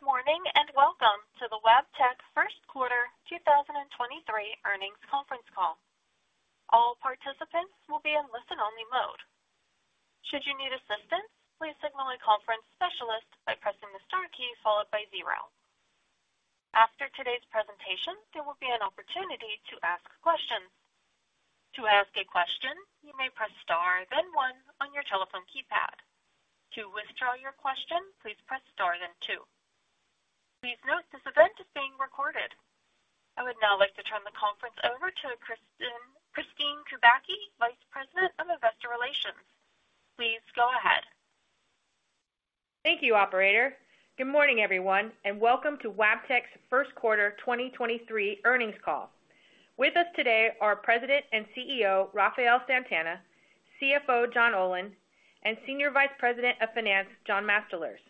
Good morning, welcome to the Wabtec Q1 2023 Earnings Conference Call. All participants will be in listen-only mode. Should you need assistance, please signal a conference specialist by pressing the star key followed by zero. After today's presentation, there will be an opportunity to ask questions. To ask a question, you may press Star, then one on your telephone keypad. To withdraw your question, please press Star, then two. Please note this event is being recorded. I would now like to turn the conference over to Kristine Kubacki, Vice President of Investor Relations. Please go ahead. Thank you, operator. Good morning, everyone, and welcome to Wabtec's Q1 2023 earnings call. With us today are President and CEO, Rafael Santana, CFO, John Olin, and Senior Vice President of Finance, John Mastalerz.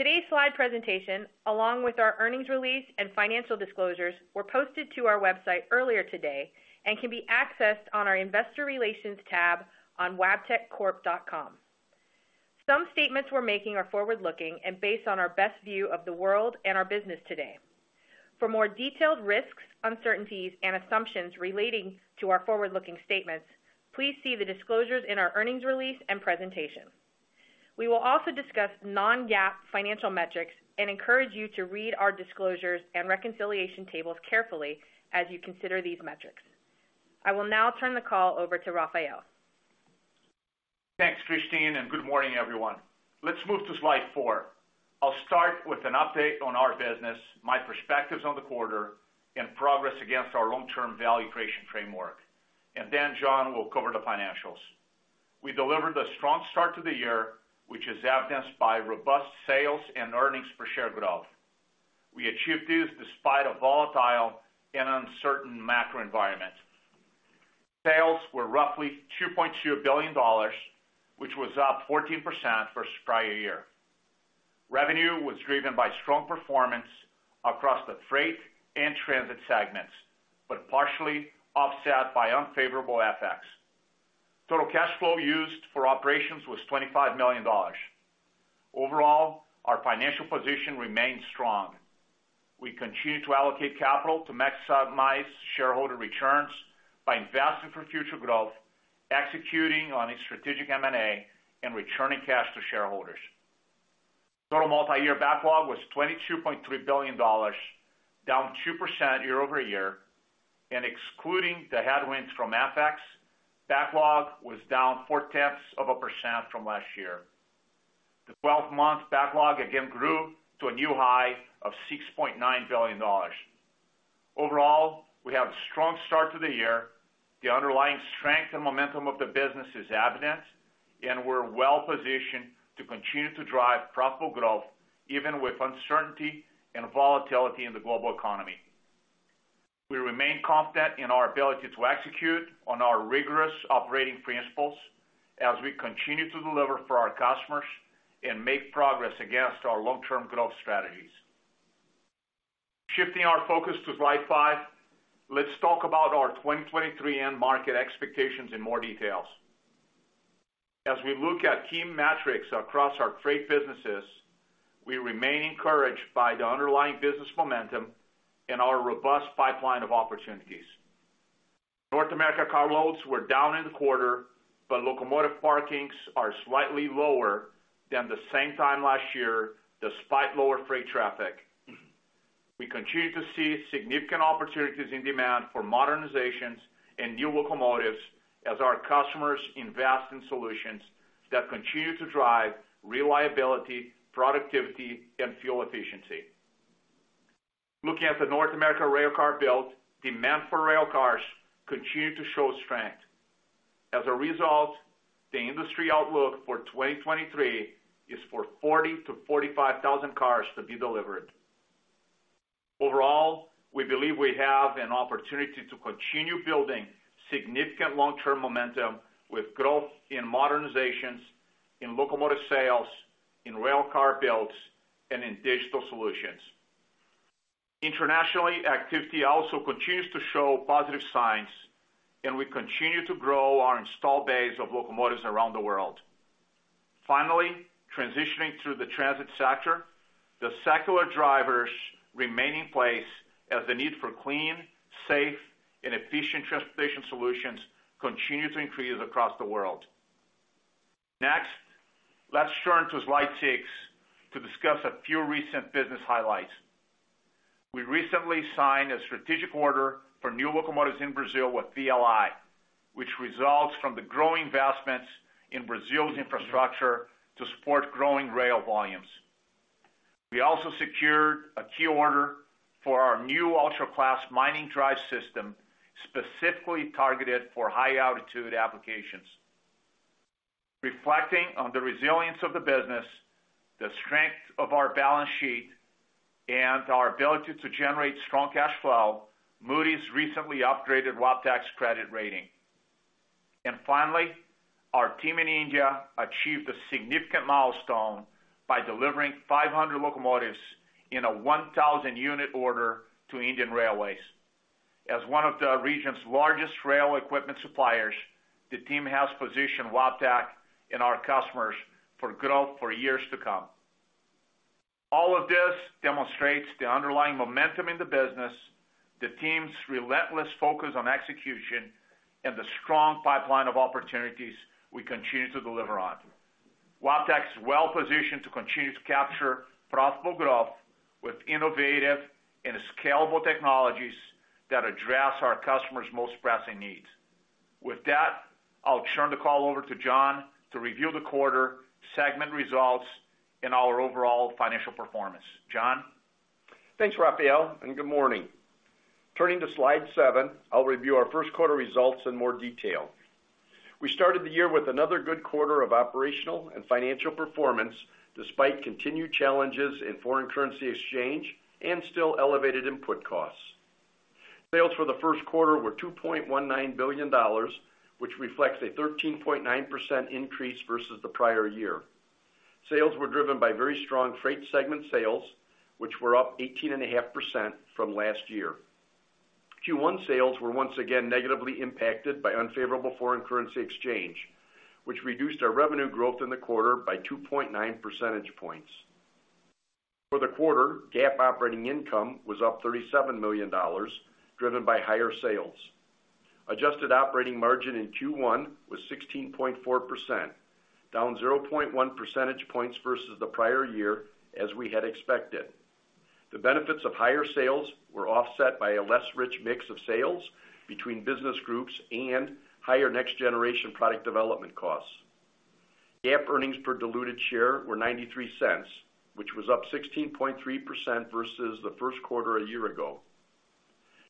Today's slide presentation, along with our earnings release and financial disclosures, were posted to our website earlier today and can be accessed on our Investor Relations tab on wabteccorp.com. Some statements we're making are forward-looking and based on our best view of the world and our business today. For more detailed risks, uncertainties and assumptions relating to our forward-looking statements, please see the disclosures in our earnings release and presentation. We will also discuss non-GAAP financial metrics and encourage you to read our disclosures and reconciliation tables carefully as you consider these metrics. I will now turn the call over to Rafael. Thanks, Kristine. Good morning, everyone. Let's move to slide four. I'll start with an update on our business, my perspectives on the quarter and progress against our long-term value creation framework, then John will cover the financials. We delivered a strong start to the year, which is evidenced by robust sales and earnings per share growth. We achieved this despite a volatile and uncertain macro environment. Sales were roughly $2.2 billion, which was up 14% versus prior year. Revenue was driven by strong performance across the freight and transit segments, partially offset by unfavorable FX. Total cash flow used for operations was $25 million. Overall, our financial position remains strong. We continue to allocate capital to maximize shareholder returns by investing for future growth, executing on a strategic M&A, and returning cash to shareholders. Total multi-year backlog was $22.3 billion, down 2% year-over-year, excluding the headwinds from FX, backlog was down 0.4% from last year. The 12-month backlog again grew to a new high of $6.9 billion. Overall, we have a strong start to the year. The underlying strength and momentum of the business is evident, and we're well-positioned to continue to drive profitable growth, even with uncertainty and volatility in the global economy. We remain confident in our ability to execute on our rigorous operating principles as we continue to deliver for our customers and make progress against our long-term growth strategies. Shifting our focus to slide five, let's talk about our 2023 end market expectations in more details. As we look at key metrics across our freight businesses, we remain encouraged by the underlying business momentum and our robust pipeline of opportunities. North America carloads were down in the quarter. Locomotive parkings are slightly lower than the same time last year, despite lower freight traffic. We continue to see significant opportunities in demand for modernizations and new locomotives as our customers invest in solutions that continue to drive reliability, productivity, and fuel efficiency. Looking at the North America rail car build, demand for rail cars continue to show strength. As a result, the industry outlook for 2023 is for 40,000-45,000 cars to be delivered. Overall, we believe we have an opportunity to continue building significant long-term momentum with growth in modernizations, in locomotive sales, in rail car builds, and in digital solutions. Internationally, activity also continues to show positive signs, and we continue to grow our install base of locomotives around the world. Finally, transitioning to the transit sector, the secular drivers remain in place as the need for clean, safe, and efficient transportation solutions continue to increase across the world. Let's turn to slide six to discuss a few recent business highlights. We recently signed a strategic order for new locomotives in Brazil with VLI, which results from the growing investments in Brazil's infrastructure to support growing rail volumes. We also secured a key order for our new Ultra Class mining drive system, specifically targeted for high-altitude applications. Reflecting on the resilience of the business, the strength of our balance sheet, and our ability to generate strong cash flow, Moody's recently upgraded Wabtec's credit rating. Finally, our team in India achieved a significant milestone by delivering 500 locomotives in a 1,000 unit order to Indian Railways. As one of the region's largest rail equipment suppliers, the team has positioned Wabtec and our customers for growth for years to come. All of this demonstrates the underlying momentum in the business, the team's relentless focus on execution, and the strong pipeline of opportunities we continue to deliver on. Wabtec is well-positioned to continue to capture profitable growth with innovative and scalable technologies that address our customers' most pressing needs. With that, I'll turn the call over to John to review the quarter, segment results, and our overall financial performance. John? Thanks, Rafael. Good morning. Turning to slide seven, I'll review our Q1 results in more detail. We started the year with another good quarter of operational and financial performance despite continued challenges in foreign currency exchange and still elevated input costs. Sales for the Q1 were $2.19 billion, which reflects a 13.9% increase versus the prior year. Sales were driven by very strong freight segment sales, which were up 18.5% from last year. Q1 sales were once again negatively impacted by unfavorable foreign currency exchange, which reduced our revenue growth in the quarter by 2.9 percentage points. For the quarter, GAAP operating income was up $37 million, driven by higher sales. Adjusted operating margin in Q1 was 16.4%, down 0.1 percentage points versus the prior year, as we had expected. The benefits of higher sales were offset by a less rich mix of sales between business groups and higher next-generation product development costs. GAAP earnings per diluted share were $0.93, which was up 16.3% versus the Q1 a year ago.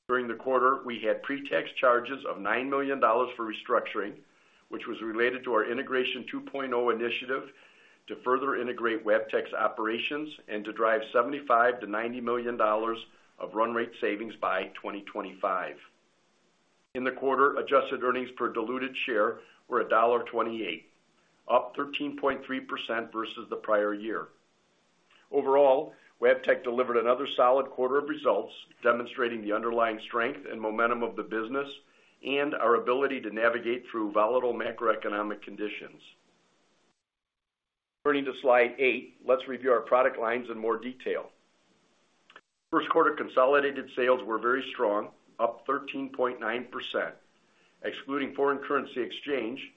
During the quarter, we had pre-tax charges of $9 million for restructuring, which was related to our Integration 2.0 initiative to further integrate Wabtec's operations and to drive $75-90 million of run rate savings by 2025. In the quarter, adjusted earnings per diluted share were $1.28, up 13.3% versus the prior year. Overall, Wabtec delivered another solid quarter of results, demonstrating the underlying strength and momentum of the business and our ability to navigate through volatile macroeconomic conditions. Turning to slide eight, let's review our product lines in more detail. Q1 consolidated sales were very strong, up 13.9%. Excluding foreign currency exchange,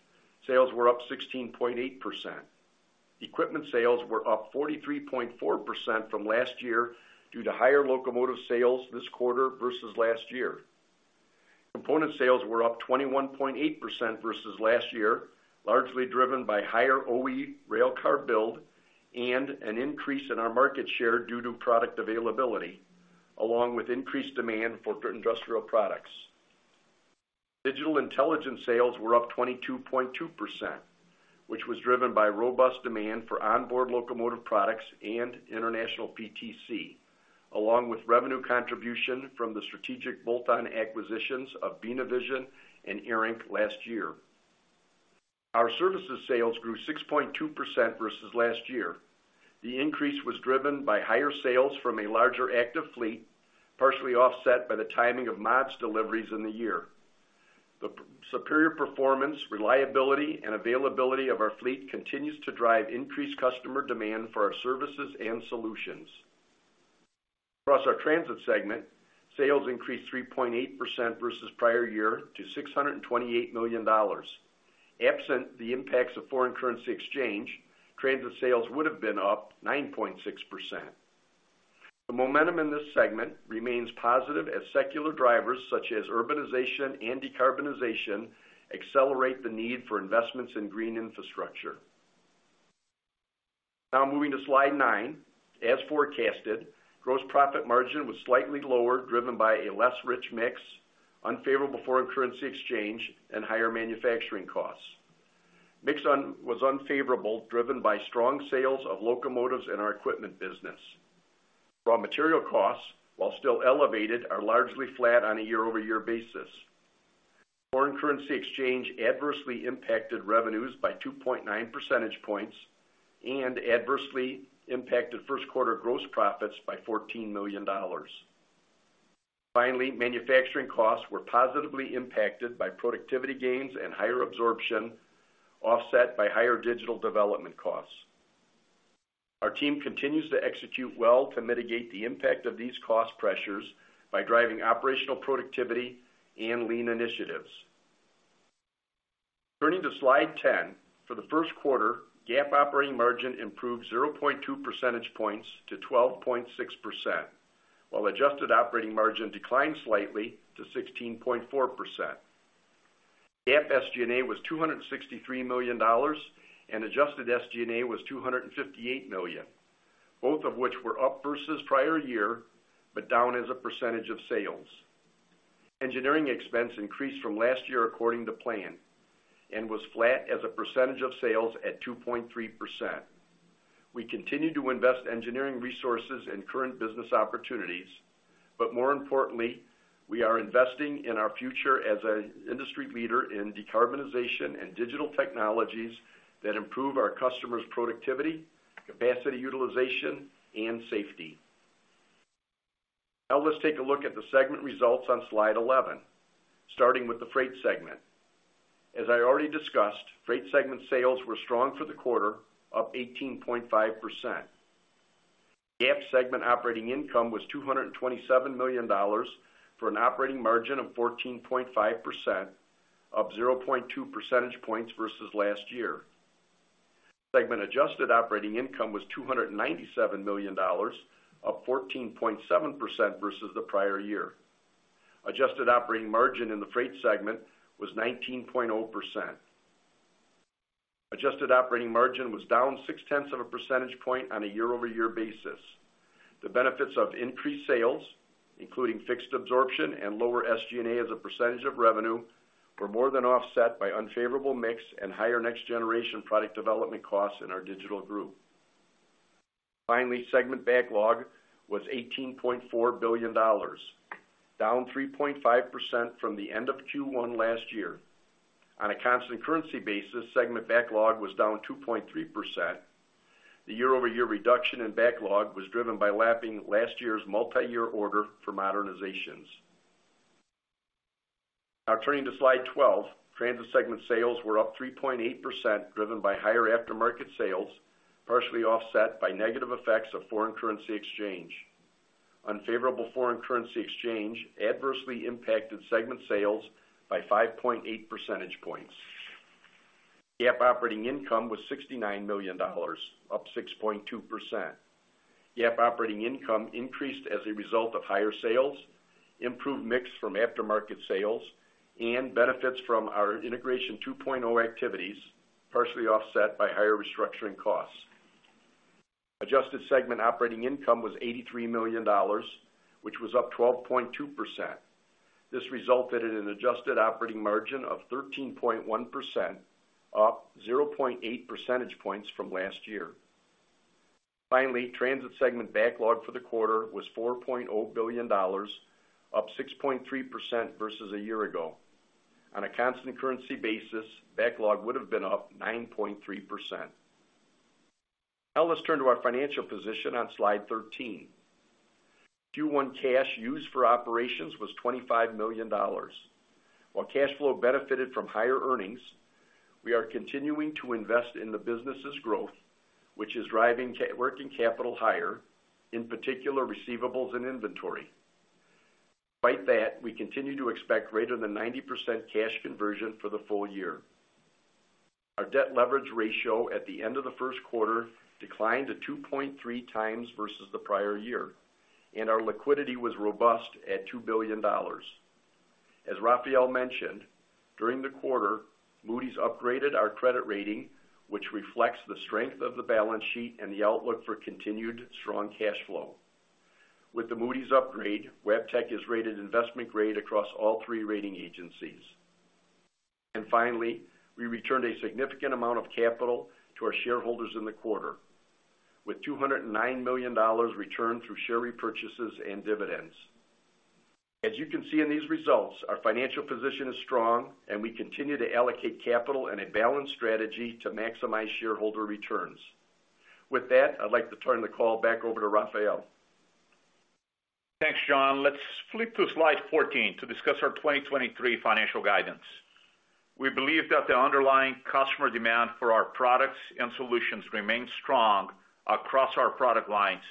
sales were up 16.8%. Equipment sales were up 43.4% from last year due to higher locomotive sales this quarter versus last year. Component sales were up 21.8% versus last year, largely driven by higher OE railcar build and an increase in our market share due to product availability, along with increased demand for industrial products. Digital intelligence sales were up 22.2%, which was driven by robust demand for onboard locomotive products and international PTC, along with revenue contribution from the strategic bolt-on acquisitions of Beena Vision and ARINC last year. Our services sales grew 6.2% versus last year. The increase was driven by higher sales from a larger active fleet, partially offset by the timing of mods deliveries in the year. The superior performance, reliability, and availability of our fleet continues to drive increased customer demand for our services and solutions. Across our transit segment, sales increased 3.8% versus prior year to $628 million. Absent the impacts of foreign currency exchange, transit sales would have been up 9.6%. The momentum in this segment remains positive as secular drivers such as urbanization and decarbonization accelerate the need for investments in green infrastructure. Moving to slide nine. As forecasted, gross profit margin was slightly lower, driven by a less rich mix, unfavorable foreign currency exchange, and higher manufacturing costs. Mix was unfavorable, driven by strong sales of locomotives in our equipment business. Raw material costs, while still elevated, are largely flat on a year-over-year basis. Foreign currency exchange adversely impacted revenues by 2.9 percentage points and adversely impacted Q1 gross profits by $14 million. Manufacturing costs were positively impacted by productivity gains and higher absorption, offset by higher digital development costs. Our team continues to execute well to mitigate the impact of these cost pressures by driving operational productivity and lean initiatives. Turning to slide ten. For the Q1, GAAP operating margin improved 0.2 percentage points to 12.6%, while adjusted operating margin declined slightly to 16.4%. GAAP SG&A was $263 million, and adjusted SG&A was $258 million, both of which were up versus prior year, but down as a percentage of sales. Engineering expense increased from last year according to plan and was flat as a percentage of sales at 2.3%. We continue to invest engineering resources in current business opportunities, but more importantly, we are investing in our future as an industry leader in decarbonization and digital technologies that improve our customers' productivity, capacity utilization, and safety. Now let's take a look at the segment results on slide 11, starting with the Freight segment. As I already discussed, Freight Segment sales were strong for the quarter, up 18.5%. GAAP Segment operating income was $227 million for an operating margin of 14.5%, up 0.2 percentage points versus last year. Segment adjusted operating income was $297 million, up 14.7% versus the prior year. Adjusted operating margin in the Freight Segment was 19.0%. Adjusted operating margin was down six-tenths of a percentage point on a year-over-year basis. The benefits of increased sales, including fixed absorption and lower SG&A as a percentage of revenue, were more than offset by unfavorable mix and higher next-generation product development costs in our digital group. Segment backlog was $18.4 billion, down 3.5% from the end of Q1 last year. On a constant currency basis, segment backlog was down 2.3%. The year-over-year reduction in backlog was driven by lapping last year's multiyear order for modernizations. Turning to slide 12, Transit segment sales were up 3.8% driven by higher aftermarket sales, partially offset by negative effects of foreign currency exchange. Unfavorable foreign currency exchange adversely impacted segment sales by 5.8 percentage points. GAAP operating income was $69 million, up 6.2%. GAAP operating income increased as a result of higher sales, improved mix from aftermarket sales, and benefits from our Integration 2.0 activities, partially offset by higher restructuring costs. Adjusted segment operating income was $83 million, which was up 12.2%. This resulted in an adjusted operating margin of 13.1%, up 0.8 percentage points from last year. Finally, Transit segment backlog for the quarter was $4.0 billion, up 6.3% versus a year ago. On a constant currency basis, backlog would have been up 9.3%. Now let's turn to our financial position on slide 13. Q1 cash used for operations was $25 million. While cash flow benefited from higher earnings, we are continuing to invest in the business' growth, which is driving working capital higher, in particular, receivables and inventory. Despite that, we continue to expect greater than 90% cash conversion for the full year. Our debt leverage ratio at the end of the Q1 declined to 2.3 times versus the prior year, and our liquidity was robust at $2 billion. As Rafael mentioned, during the quarter, Moody's upgraded our credit rating, which reflects the strength of the balance sheet and the outlook for continued strong cash flow. With the Moody's upgrade, Wabtec is rated investment grade across all three rating agencies. Finally, we returned a significant amount of capital to our shareholders in the quarter, with $209 million returned through share repurchases and dividends. As you can see in these results, our financial position is strong, and we continue to allocate capital in a balanced strategy to maximize shareholder returns. With that, I'd like to turn the call back over to Rafael. Thanks, John. Let's flip to slide 14 to discuss our 2023 financial guidance. We believe that the underlying customer demand for our products and solutions remains strong across our product lines,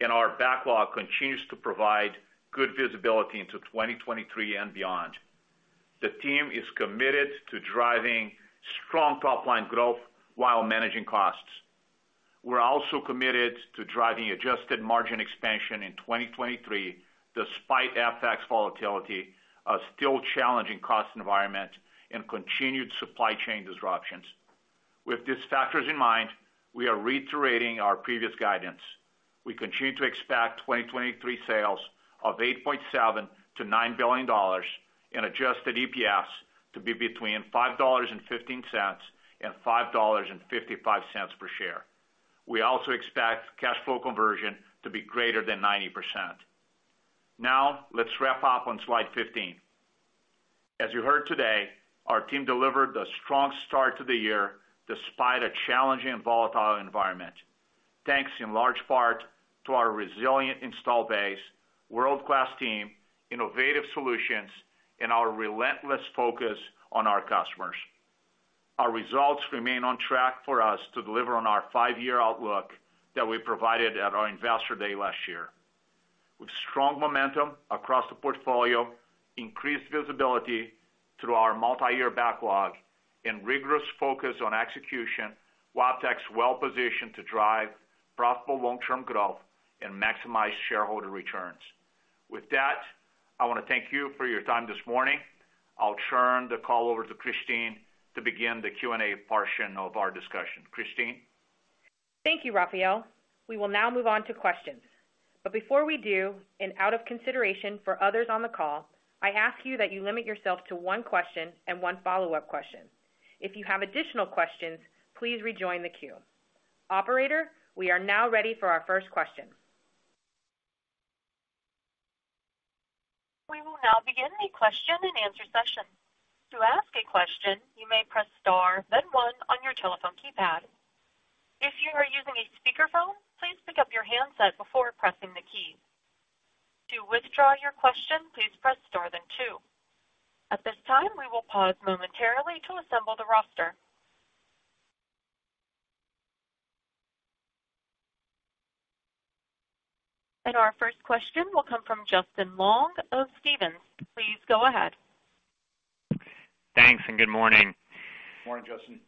and our backlog continues to provide good visibility into 2023 and beyond. The team is committed to driving strong top-line growth while managing costs. We're also committed to driving adjusted margin expansion in 2023 despite FX volatility, a still challenging cost environment, and continued supply chain disruptions. With these factors in mind, we are reiterating our previous guidance. We continue to expect 2023 sales of $8.7-9 billion and adjusted EPS to be between $5.15 and $5.55 per share. We also expect cash flow conversion to be greater than 90%. Let's wrap up on slide 15. As you heard today, our team delivered a strong start to the year despite a challenging volatile environment, thanks in large part to our resilient install base, world-class team, innovative solutions, and our relentless focus on our customers. Our results remain on track for us to deliver on our five-year outlook that we provided at our Investor Day last year. With strong momentum across the portfolio, increased visibility through our multiyear backlog, and rigorous focus on execution, Wabtec's well positioned to drive profitable long-term growth and maximize shareholder returns. With that, I want to thank you for your time this morning. I'll turn the call over to Kristine to begin the Q&A portion of our discussion. Kristine? Thank you, Rafael. We will now move on to questions. Before we do, and out of consideration for others on the call, I ask you that you limit yourself to one question and one follow-up question. If you have additional questions, please rejoin the queue. Operator, we are now ready for our first question. We will now begin a question-and-answer session. To ask a question, you may press star then one on your telephone keypad. If you are using a speakerphone, please pick up your handset before pressing the key. To withdraw your question, please press star then two. At this time, we will pause momentarily to assemble the roster. Our first question will come from Justin Long of Stephens. Please go ahead. Thanks, good morning. Morning, Justin.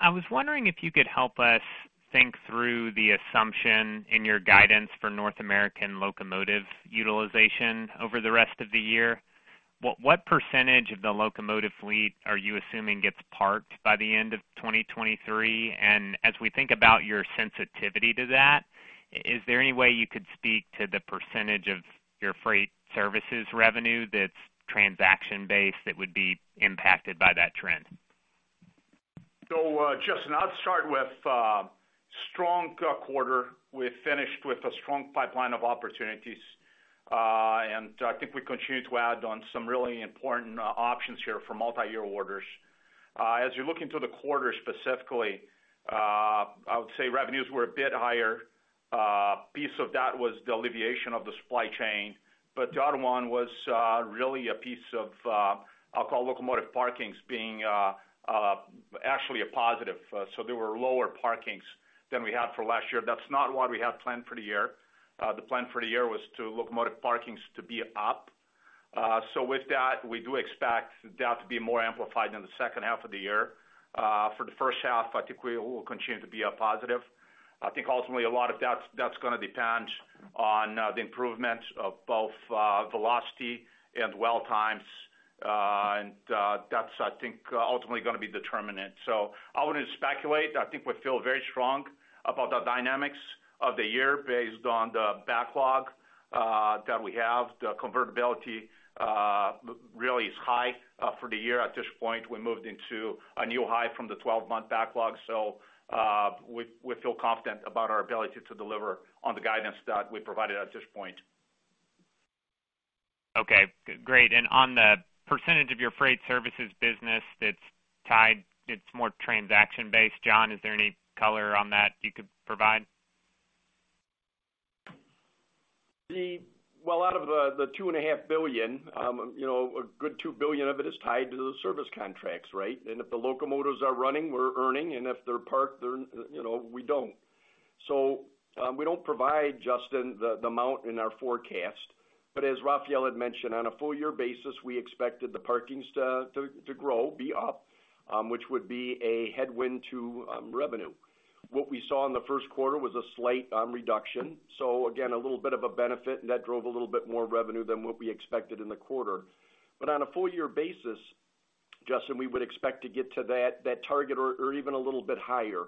I was wondering if you could help us think through the assumption in your guidance for North American locomotive utilization over the rest of the year. What percentage of the locomotive fleet are you assuming gets parked by the end of 2023? As we think about your sensitivity to that, is there any way you could speak to the percentage of your freight services revenue that's transaction based that would be impacted by that trend? Justin, I'll start with strong quarter. We finished with a strong pipeline of opportunities, and I think we continue to add on some really important options here for multiyear orders. As you look into the quarter specifically, I would say revenues were a bit higher. Piece of that was the alleviation of the supply chain, but the other one was really a piece of, I'll call locomotive parkings being actually a positive. There were lower parkings than we had for last year. That's not what we had planned for the year. The plan for the year was to locomotive parkings to be up. With that, we do expect that to be more amplified in the H2 of the year. For the H1, I think we will continue to be a positive. I think ultimately a lot of that's gonna depend on the improvements of both velocity and dwell times, and that's I think ultimately gonna be determinant. I wouldn't speculate. I think we feel very strong about the dynamics of the year based on the backlog that we have. The convertibility really is high for the year at this point. We moved into a new high from the 12-month backlog. We feel confident about our ability to deliver on the guidance that we provided at this point. Okay. Great. On the percentage of your freight services business that's tied, it's more transaction based, John, is there any color on that you could provide? Out of the two and a half billion, a good $2 billion of it is tied to the service contracts, right? If the locomotives are running, we're earning, and if they're parked, we don't. We don't provide, Justin, the amount in our forecast. As Rafael had mentioned, on a full year basis, we expected the parkings to grow, be up, which would be a headwind to revenue. What we saw in the Q1 was a slight reduction. Again, a little bit of a benefit, and that drove a little bit more revenue than what we expected in the quarter. On a full year basis, Justin, we would expect to get to that target or even a little bit higher.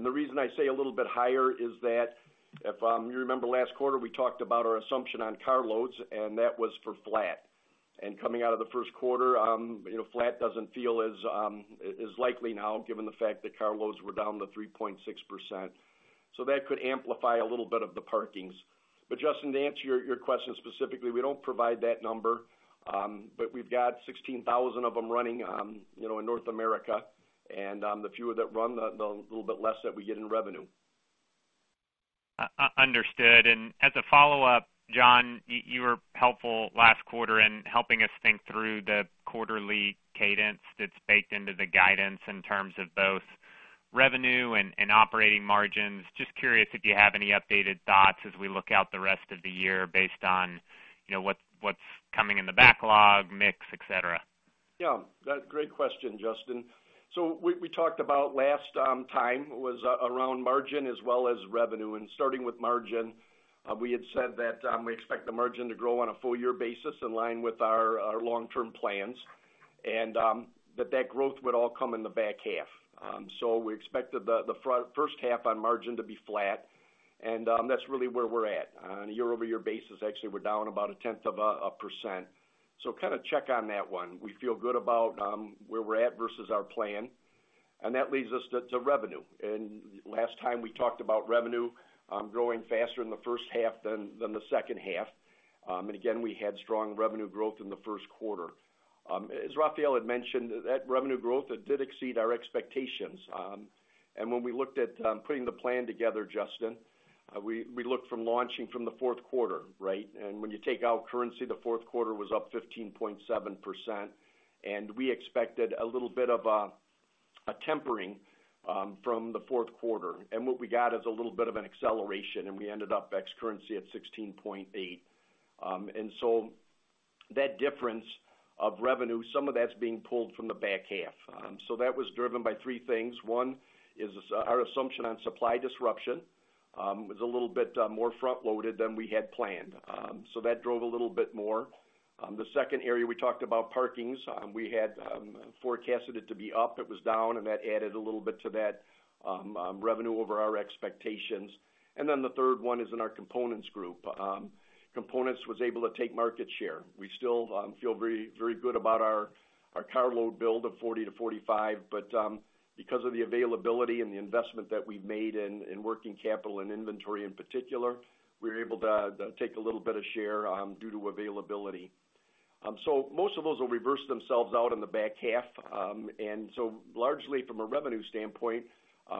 The reason I say a little bit higher is that if you remember last quarter, we talked about our assumption on car loads, and that was for flat. Coming out of the Q1, you know, flat doesn't feel as likely now, given the fact that car loads were down to 3.6%. That could amplify a little bit of the parkings. Justin, to answer your question specifically, we don't provide that number, but we've got 16,000 of them running, you know, in North America, and the fewer that run, the little bit less that we get in revenue. Understood. As a follow-up, John, you were helpful last quarter in helping us think through the quarterly cadence that's baked into the guidance in terms of both revenue and operating margins. Just curious if you have any updated thoughts as we look out the rest of the year based on, you know, what's coming in the backlog, mix, et cetera? Yeah. Great question, Justin. We talked about last time was around margin as well as revenue. Starting with margin, we had said that we expect the margin to grow on a full year basis in line with our long-term plans, and that growth would all come in the back half. We expected the H1 on margin to be flat, and that's really where we're at. On a year-over-year basis, actually, we're down about a tenth of a percent. Kinda check on that one. We feel good about where we're at versus our plan, and that leads us to revenue. Last time we talked about revenue, growing faster in the H1 than the H2. Again, we had strong revenue growth in the Q1. As Rafael had mentioned, that revenue growth, it did exceed our expectations. When we looked at putting the plan together, Justin, we looked from launching from the Q4, right? When you take out currency, the Q4 was up 15.7%, and we expected a little bit of a tempering from the Q4. What we got is a little bit of an acceleration, and we ended up ex-currency at 16.8%. That difference of revenue, some of that's being pulled from the back half. That was driven by three things. One is our assumption on supply disruption was a little bit more front-loaded than we had planned. That drove a little bit more. The second area we talked about parkings. We had forecasted it to be up. It was down, and that added a little bit to that revenue over our expectations. The third one is in our components group. Components was able to take market share. We still feel very, very good about our car load build of 40-45, but because of the availability and the investment that we've made in working capital and inventory in particular, we were able to take a little bit of share due to availability. Most of those will reverse themselves out in the back half. Largely from a revenue standpoint,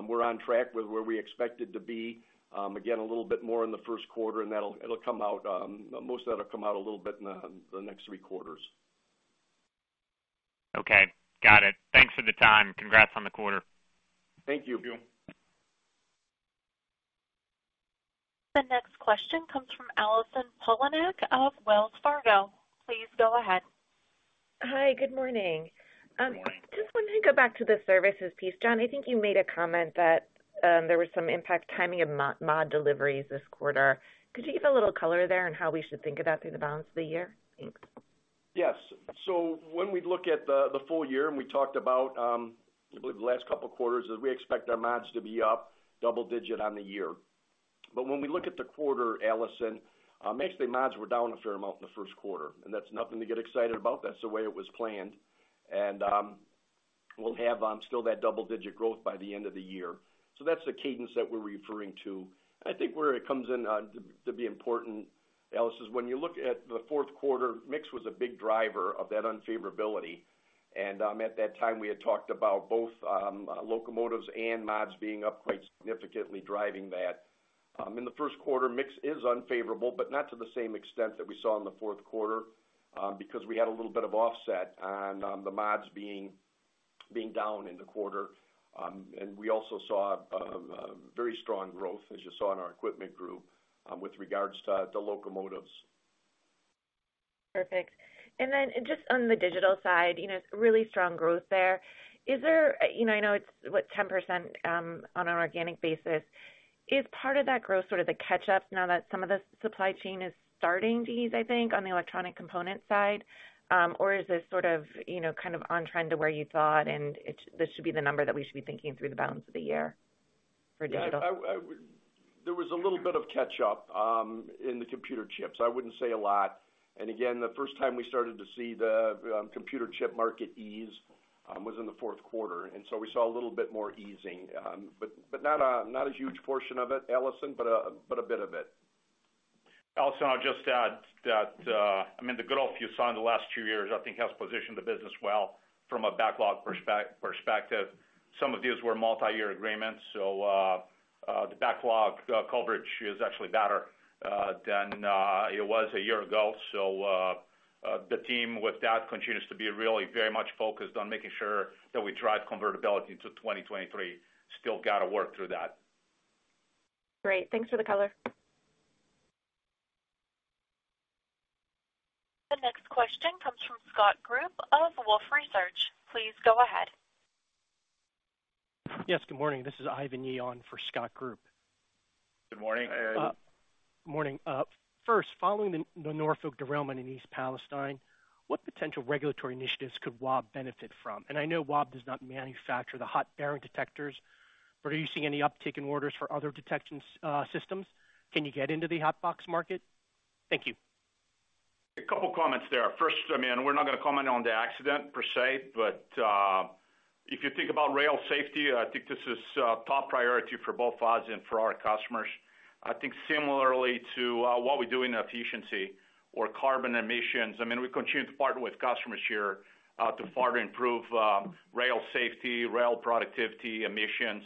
we're on track with where we expected to be, again, a little bit more in the Q1, and it'll come out, most of that'll come out a little bit in the next three quarters. Okay. Got it. Thanks for the time. Congrats on the quarter. Thank you. The next question comes from Allison Poliniak of Wells Fargo. Please go ahead. Hi, good morning. Good morning. Just wanted to go back to the services piece. John, I think you made a comment that there was some impact timing of mod deliveries this quarter. Could you give a little color there on how we should think about through the balance of the year? Thanks. When we look at the full year, and we talked about, I believe the last couple of quarters, is we expect our mods to be up double-digit on the year. When we look at the quarter, Allison Poliniak, basically, mods were down a fair amount in the Q1, and that's nothing to get excited about. That's the way it was planned. We'll have still that double-digit growth by the end of the year. That's the cadence that we're referring to. I think where it comes in to be important, Allison Poliniak, is when you look at the Q4, mix was a big driver of that unfavorability. At that time, we had talked about both locomotives and mods being up quite significantly, driving that. In the Q1, mix is unfavorable, but not to the same extent that we saw in the Q4, because we had a little bit of offset on the mods being down in the quarter. We also saw a very strong growth, as you saw in our equipment group, with regards to the locomotives. Perfect. Just on the digital side, you know, really strong growth there. I know it's, what, 10% on an organic basis. Is part of that growth sort of the catch up now that some of the supply chain is starting to ease, I think, on the electronic component side? Or is this sort of, you know, kind of on trend to where you thought and this should be the number that we should be thinking through the balance of the year for digital? There was a little bit of catch up in the computer chips. I wouldn't say a lot. Again, the first time we started to see the computer chip market ease was in the Q4, we saw a little bit more easing. Not a huge portion of it, Allison, but a bit of it. Allison, I'll just add that, I mean, the growth you saw in the last two years, I think has positioned the business well from a backlog perspective. Some of these were multi-year agreements, so the backlog coverage is actually better than it was a year ago. The team with that continues to be really very much focused on making sure that we drive convertibility into 2023. Still gotta work through that. Great. Thanks for the color. The next question comes from Scott Group of Wolfe Research. Please go ahead. Yes, good morning. This is Ivan Yi on for Scott Group. Good morning. Good morning, Ivan. Morning. First, following the Norfolk derailment in East Palestine, what potential regulatory initiatives could WAB benefit from? I know WAB does not manufacture the hot bearing detectors, but are you seeing any uptick in orders for other detection systems? Can you get into the hotbox market? Thank you. A couple of comments there. First, I mean, we're not gonna comment on the accident per se, but if you think about rail safety, I think this is top priority for both us and for our customers. I think similarly to what we do in efficiency or carbon emissions, I mean, we continue to partner with customers here to further improve rail safety, rail productivity, emissions.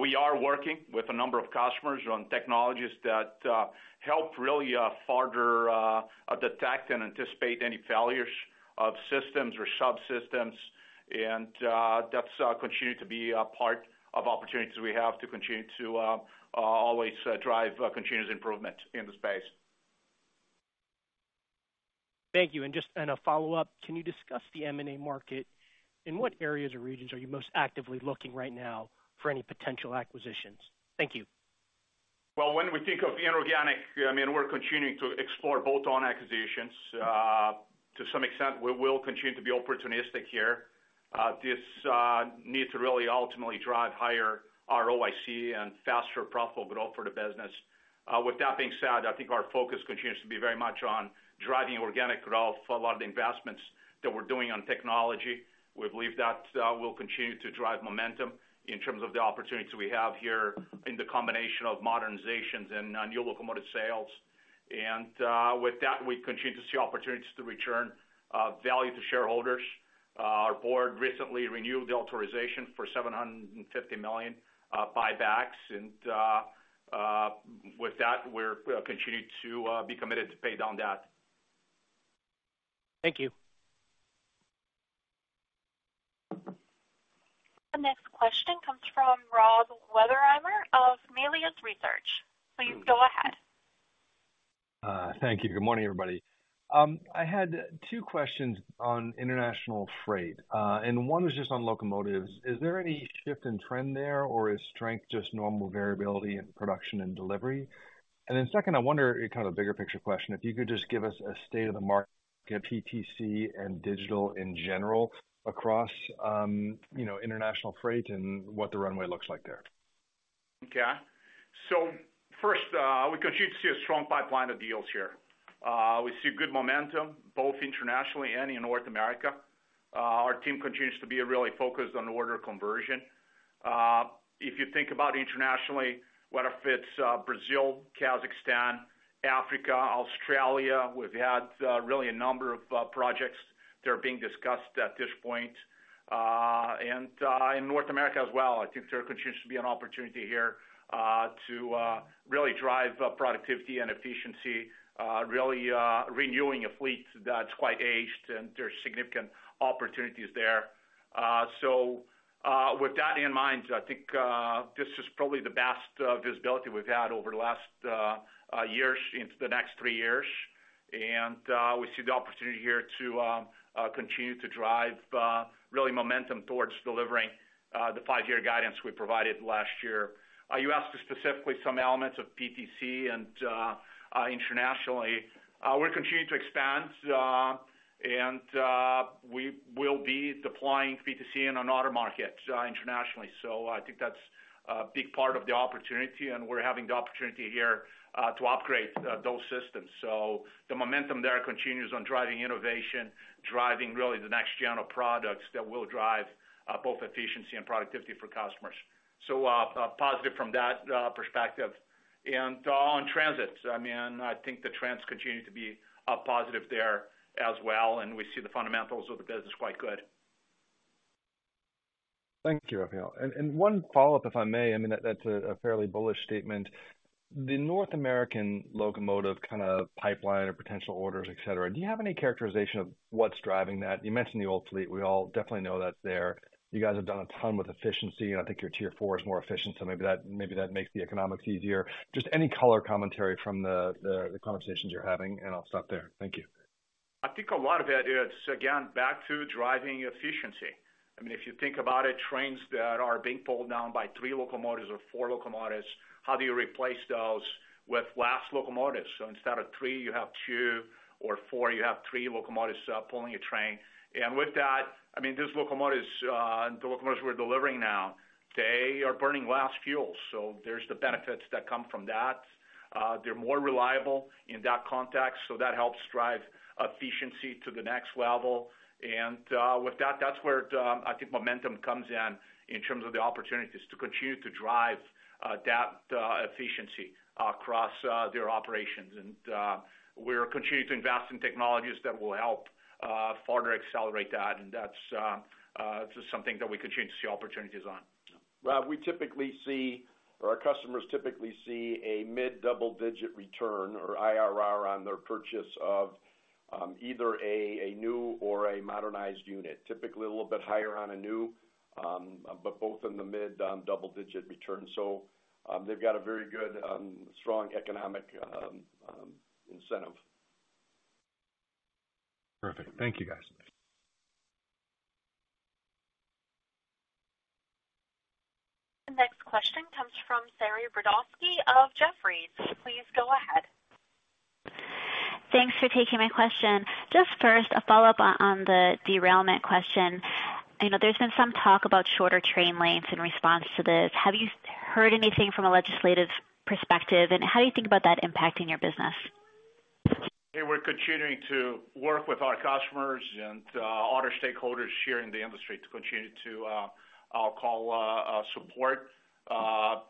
We are working with a number of customers on technologies that help really further detect and anticipate any failures of systems or subsystems. That's continued to be a part of opportunities we have to continue to always drive continuous improvement in the space. Thank you. A follow-up, can you discuss the M&A market? In what areas or regions are you most actively looking right now for any potential acquisitions? Thank you. Well, when we think of inorganic, we're continuing to explore bolt-on acquisitions. To some extent, we will continue to be opportunistic here. This needs to really ultimately drive higher ROIC and faster profitable growth for the business. With that being said, I think our focus continues to be very much on driving organic growth for a lot of the investments that we're doing on technology. We believe that will continue to drive momentum in terms of the opportunities we have here in the combination of modernizations and new locomotive sales. With that, we continue to see opportunities to return value to shareholders. Our board recently renewed the authorization for $750 million buybacks. With that, we're, we'll continue to be committed to pay down debt. Thank you. The next question comes from Rob Wertheimer of Melius Research. Please go ahead. Thank you. Good morning, everybody. I had two questions on international freight, and one was just on locomotives. Is there any shift in trend there, or is strength just normal variability in production and delivery? Second, I wonder, a kind of bigger picture question, if you could just give us a state of the market, PTC and digital in general across, you know, international freight and what the runway looks like there. Okay. First, we continue to see a strong pipeline of deals here. We see good momentum both internationally and in North America. Our team continues to be really focused on order conversion. If you think about internationally, whether if it's Brazil, Kazakhstan, Africa, Australia, we've had really a number of projects that are being discussed at this point. In North America as well, I think there continues to be an opportunity here to really drive productivity and efficiency, really renewing a fleet that's quite aged, and there are significant opportunities there. With that in mind, I think this is probably the best visibility we've had over the last years into the next three years. We see the opportunity here to continue to drive really momentum towards delivering the 5-year guidance we provided last year. You asked specifically some elements of PTC and internationally. We're continuing to expand and we will be deploying PTC in another market internationally. I think that's a big part of the opportunity, and we're having the opportunity here to upgrade those systems. The momentum there continues on driving innovation, driving really the next gen of products that will drive both efficiency and productivity for customers. Positive from that perspective. On transit, I mean, I think the trends continue to be positive there as well, and we see the fundamentals of the business quite good. Thank you, Rafael. One follow-up, if I may, I mean, that's a fairly bullish statement. The North American locomotive kind of pipeline or potential orders, et cetera, do you have any characterization of what's driving that? You mentioned the old fleet. We all definitely know that's there. You guys have done a ton with efficiency, and I think your Tier 4 is more efficient, so maybe that makes the economics easier. Just any color commentary from the conversations you're having, and I'll stop there. Thank you. I think a lot of it is, again, back to driving efficiency. I mean, if you think about it, trains that are being pulled down by three locomotives or four locomotives, how do you replace those with less locomotives? Instead of three, you have two, or four, you have three locomotives pulling a train. With that, I mean, these locomotives, the locomotives we're delivering now, they are burning less fuel. There's the benefits that come from that. They're more reliable in that context, so that helps drive efficiency to the next level. With that's where I think momentum comes in in terms of the opportunities to continue to drive that efficiency across their operations. We're continuing to invest in technologies that will help further accelerate that. That's just something that we continue to see opportunities on. Rob, we typically see, or our customers typically see a mid-double digit return or IRR on their purchase of, either a new or a modernized unit, typically a little bit higher on a new, but both in the mid on double-digit returns. They've got a very good, strong economic incentive. Perfect. Thank you, guys. The next question comes from Saree Boroditsky of Jefferies. Please go ahead. Thanks for taking my question. Just first, a follow-up on the derailment question. I know there's been some talk about shorter train lengths in response to this. Have you heard anything from a legislative perspective, and how do you think about that impacting your business? Yeah. We're continuing to work with our customers and, other stakeholders here in the industry to continue to, I'll call, support,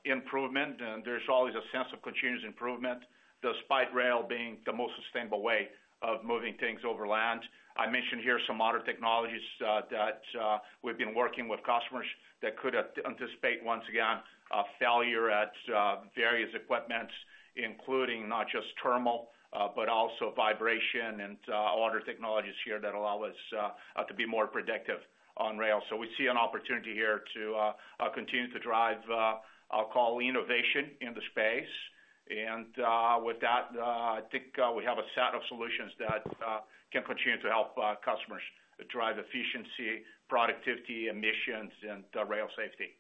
improvement. There's always a sense of continuous improvement, despite rail being the most sustainable way of moving things over land. I mentioned here some other technologies, that, we've been working with customers that could anticipate once again, a failure at, various equipments, including not just terminal, but also vibration and, other technologies here that allow us, to be more predictive on rail. We see an opportunity here to, continue to drive, I'll call innovation in the space. With that, I think, we have a set of solutions that, can continue to help, customers drive efficiency, productivity, emissions, and rail safety.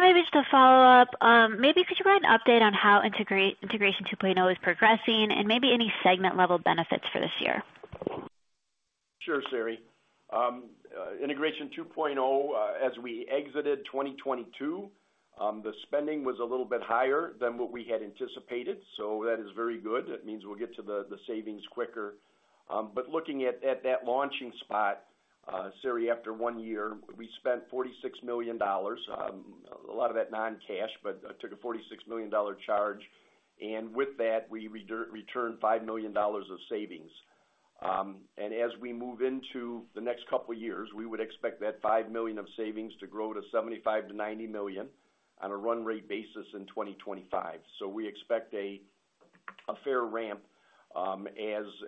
maybe just a follow-up, maybe could you provide an update on how Integration 2.0 is progressing and maybe any segment level benefits for this year? Sure, Saree. Integration 2.0, as we exited 2022, the spending was a little bit higher than what we had anticipated. That is very good. It means we'll get to the savings quicker. Looking at that launching spot, Saree, after one year, we spent $46 million. A lot of that non-cash, but took a $46 million charge. With that, we returned $5 million of savings. As we move into the next couple of years, we would expect that $5 million of savings to grow to $75-90 million on a run rate basis in 2025. We expect a fair ramp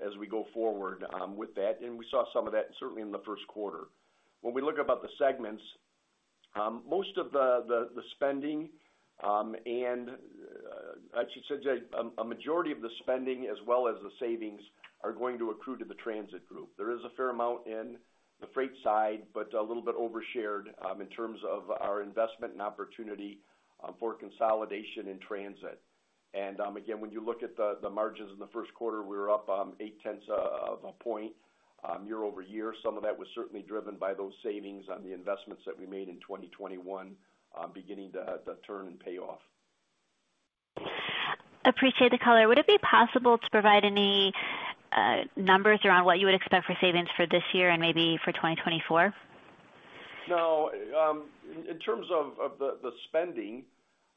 as we go forward with that. We saw some of that certainly in the Q1. When we look about the segments, most of the spending, and I should say a majority of the spending as well as the savings are going to accrue to the transit group. There is a fair amount in the freight side, but a little bit overshared, in terms of our investment and opportunity, for consolidation in transit. Again, when you look at the margins in the Q1, we were up 0.8 of a point year-over-year. Some of that was certainly driven by those savings on the investments that we made in 2021, beginning to turn and pay off. Appreciate the color. Would it be possible to provide any numbers around what you would expect for savings for this year and maybe for 2024? No. In terms of the spending,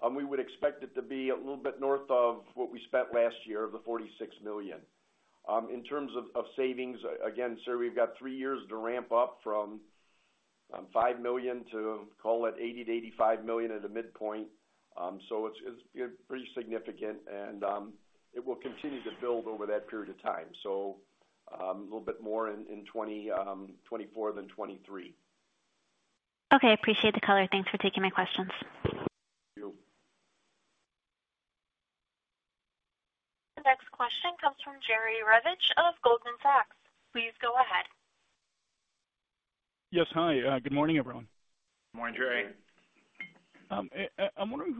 we would expect it to be a little bit north of what we spent last year of the $46 million. In terms of savings, Saree, we've got three years to ramp up from $5 million to call it $80-85 million at a midpoint. It's pretty significant, and it will continue to build over that period of time. A little bit more in 2024 than 2023. Okay, appreciate the color. Thanks for taking my questions. Thank you. The next question comes from Jerry Revich of Goldman Sachs. Please go ahead. Yes. Hi. Good morning, everyone. Morning, Jerry. I'm wondering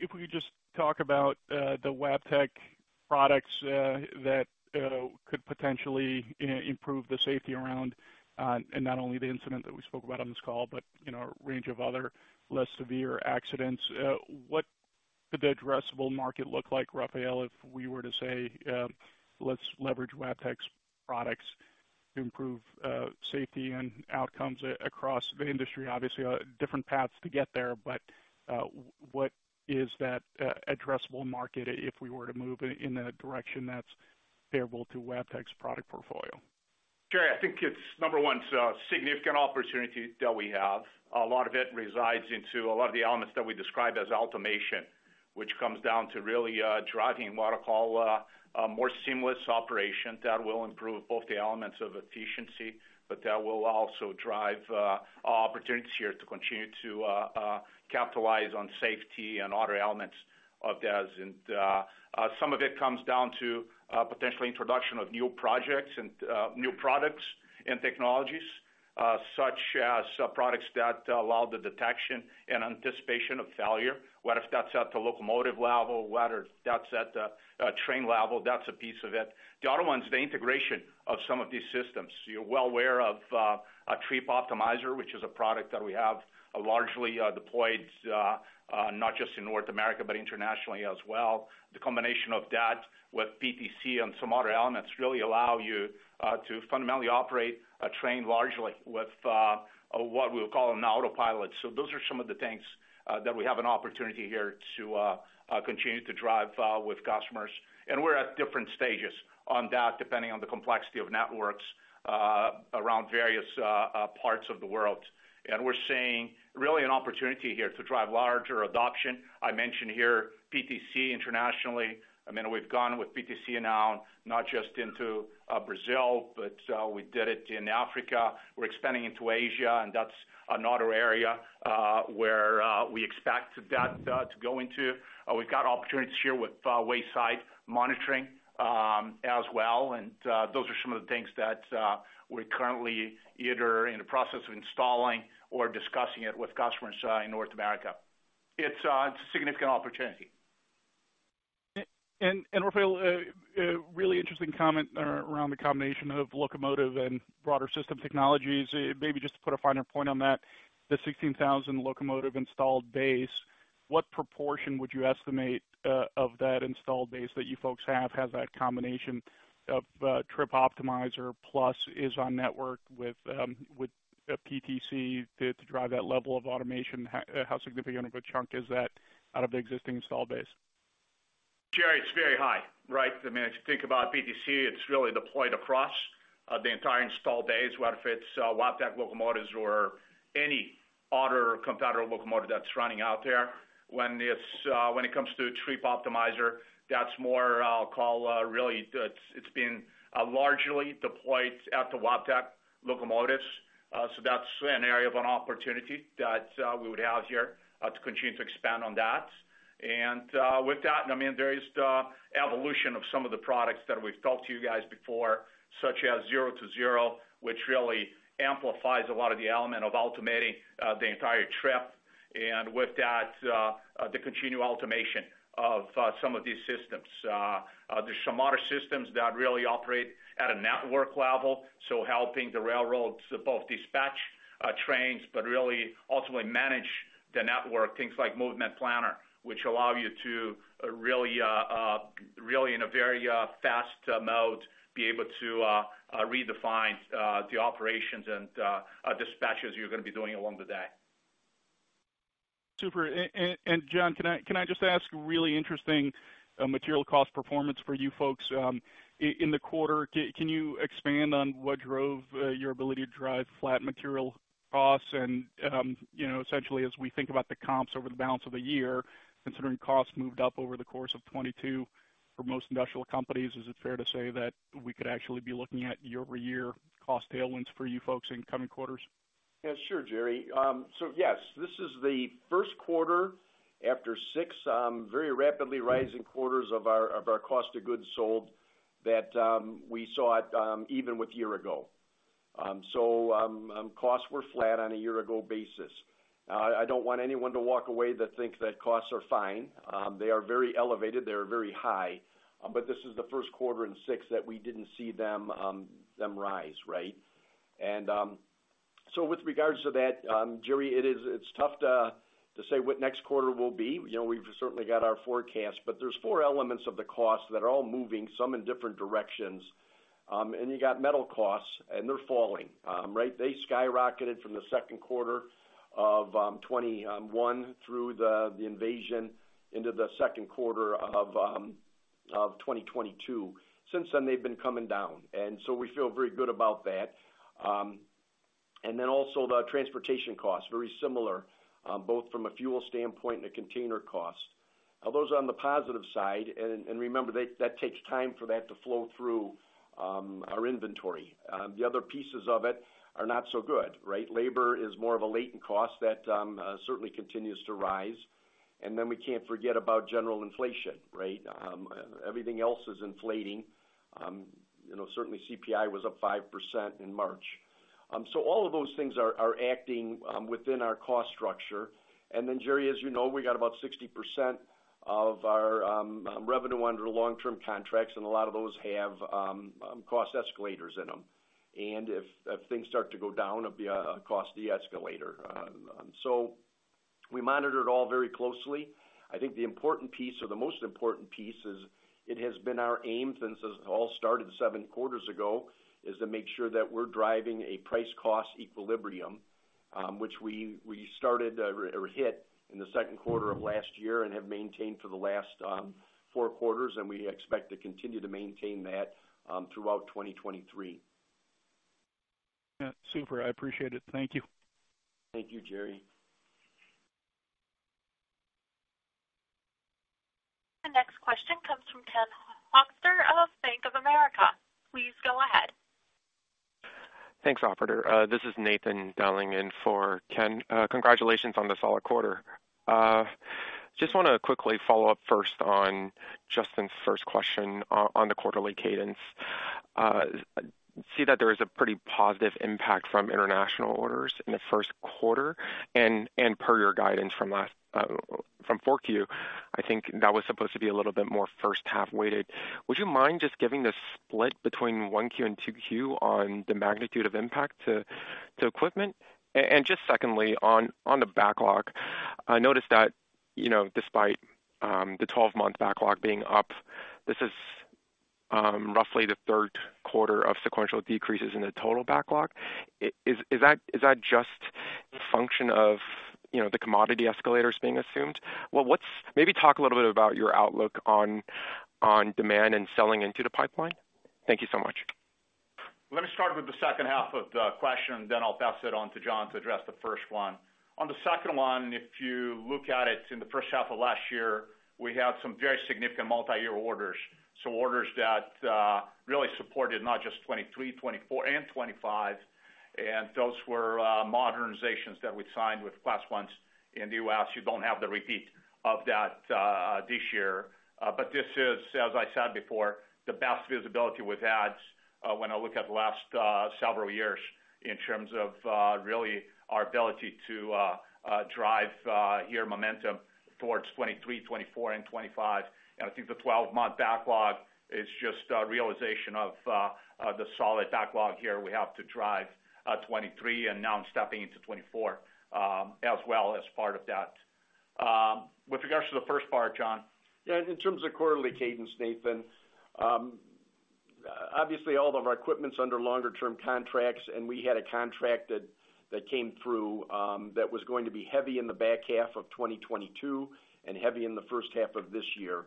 if we could just talk about the Wabtec products that could potentially improve the safety around and not only the incident that we spoke about on this call, but, you know, a range of other less severe accidents. What could the addressable market look like, Rafael, if we were to say, let's leverage Wabtec's products to improve safety and outcomes across the industry? Obviously, different paths to get there, but what is that addressable market if we were to move in a direction that's favorable to Wabtec's product portfolio? Jerry, I think it's, number one, it's a significant opportunity that we have. A lot of it resides into a lot of the elements that we described as automation, which comes down to really driving what I call a more seamless operation that will improve both the elements of efficiency, but that will also drive opportunities here to continue to capitalize on safety and other elements of theirs. Some of it comes down to potential introduction of new projects and new products and technologies, such as products that allow the detection and anticipation of failure. Whether that's at the locomotive level, whether that's at the train level, that's a piece of it. The other one is the integration of some of these systems. You're well aware of our Trip Optimizer, which is a product that we have largely deployed not just in North America, but internationally as well. The combination of that with PTC and some other elements really allow you to fundamentally operate a train largely with what we would call an autopilot. Those are some of the things that we have an opportunity here to continue to drive with customers. We're at different stages on that, depending on the complexity of networks around various parts of the world. We're seeing really an opportunity here to drive larger adoption. I mentioned here PTC internationally. I mean, we've gone with PTC now, not just into Brazil, but we did it in Africa. We're expanding into Asia, and that's another area where we expect that to go into. We've got opportunities here with wayside monitoring as well. Those are some of the things that we're currently either in the process of installing or discussing it with customers in North America. It's a significant opportunity. Rafael, a really interesting comment around the combination of locomotive and broader system technologies. Maybe just to put a finer point on that, the 16,000 locomotive installed base, what proportion would you estimate of that installed base that you folks have that combination of Trip Optimizer plus is on network with PTC to drive that level of automation? How significant of a chunk is that out of the existing install base? Jerry, it's very high, right? I mean, if you think about PTC, it's really deployed across the entire installed base, whether if it's Wabtec locomotives or any other competitor locomotive that's running out there. When it comes to Trip Optimizer, that's more, I'll call, really it's been largely deployed at the Wabtec locomotives. So that's an area of an opportunity that we would have here to continue to expand on that. With that, I mean, there is the evolution of some of the products that we've talked to you guys before, such as Zero-to-Zero, which really amplifies a lot of the element of automating the entire trip. With that, the continued automation of some of these systems. There's some other systems that really operate at a network level, so helping the railroads both dispatch trains, but really ultimately manage the network. Things like Movement Planner, which allow you to really in a very fast mode, be able to redefine the operations and dispatches you're gonna be doing along the day. Super. John, can I just ask, really interesting, material cost performance for you folks, in the quarter. Can you expand on what drove your ability to drive flat material costs? You know, essentially as we think about the comps over the balance of the year, considering costs moved up over the course of 2022 for most industrial companies, is it fair to say that we could actually be looking at year-over-year cost tailwinds for you folks in coming quarters? Yeah, sure, Jerry. Yes, this is the Q1 after six, very rapidly rising quarters of our cost of goods sold that we saw it even with year ago. Costs were flat on a year-ago basis. I don't want anyone to walk away that thinks that costs are fine. They are very elevated. They are very high. This is the Q1 in six that we didn't see them rise, right? With regards to that, Jerry, it's tough to say what next quarter will be. You know, we've certainly got our forecast, but there's four elements of the cost that are all moving, some in different directions. You got metal costs, and they're falling, right? They skyrocketed from the Q2 of 2021 through the invasion into the Q2 of 2022. Since then, they've been coming down, and so we feel very good about that. Then also the transportation costs, very similar, both from a fuel standpoint and a container cost. Now those are on the positive side, and remember that that takes time for that to flow through, our inventory. The other pieces of it are not so good, right? Labor is more of a latent cost that certainly continues to rise. We can't forget about general inflation, right? Everything else is inflating. You know, certainly CPI was up 5% in March. All of those things are acting within our cost structure. Jerry, as you know, we got about 60% of our revenue under long-term contracts, and a lot of those have cost escalators in them. If things start to go down, it'd be a costly escalator. We monitor it all very closely. I think the important piece or the most important piece is it has been our aim since this all started seven quarters ago, is to make sure that we're driving a price-cost equilibrium, which we started or hit in the Q2 of last year and have maintained for the last, four quarters, and we expect to continue to maintain that throughout 2023. Yeah, super. I appreciate it. Thank you. Thank you, Jerry. The next question comes from Ken Hoexter of Bank of America. Please go ahead. Thanks, operator. This is Nathan dialing in for Ken. Congratulations on the solid quarter. Just wanna quickly follow up first on Justin's first question on the quarterly cadence. See that there is a pretty positive impact from international orders in the Q1. Per your guidance from last, from 4Q, I think that was supposed to be a little bit more H1 weighted. Would you mind just giving the split between 1Q and 2Q on the magnitude of impact to equipment? Just secondly, on the backlog, I noticed that, you know, despite the 12-month backlog being up, this is roughly the Q3 of sequential decreases in the total backlog. Is that just a function of, you know, the commodity escalators being assumed? Well, maybe talk a little bit about your outlook on demand and selling into the pipeline. Thank you so much. Let me start with the H2 of the question, then I'll pass it on to John to address the first one. On the second one, if you look at it in the H1 of last year, we had some very significant multiyear orders. orders that really supported not just 2023, 2024 and 2025, and those were modernizations that we signed with Class I in the U.S. You don't have the repeat of that this year. this is, as I said before, the best visibility we've had when I look at the last several years in terms of really our ability to drive year momentum towards 2023, 2024 and 2025. I think the 12-month backlog is just a realization of the solid backlog here we have to drive 2023, and now I'm stepping into 2024 as well as part of that. With regards to the first part, John. Yeah, in terms of quarterly cadence, Nathan, obviously all of our equipment's under longer term contracts, and we had a contract that came through that was going to be heavy in the back half of 2022 and heavy in the H1 of this year.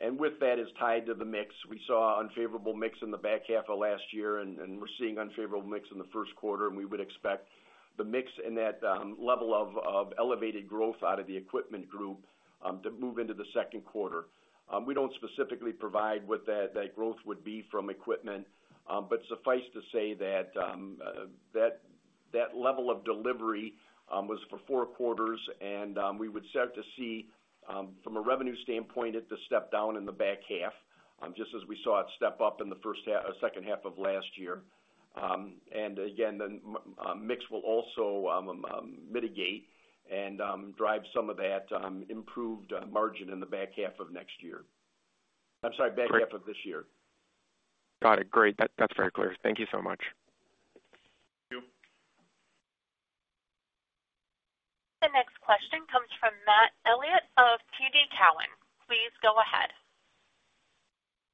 With that is tied to the mix. We saw unfavorable mix in the back half of last year, and we're seeing unfavorable mix in the Q1. We would expect the mix in that level of elevated growth out of the equipment group to move into the Q2. We don't specifically provide what that growth would be from equipment, but suffice to say that that level of delivery was for four quarters. We would start to see from a revenue standpoint it to step down in the back half, just as we saw it step up in the H1 or H2 of last year. Again, the mix will also mitigate and drive some of that improved margin in the back half of next year. I'm sorry, back half of this year. Got it. Great. That's very clear. Thank you so much. Thank you. The next question comes from Matt Elkott of TD Cowen. Please go ahead.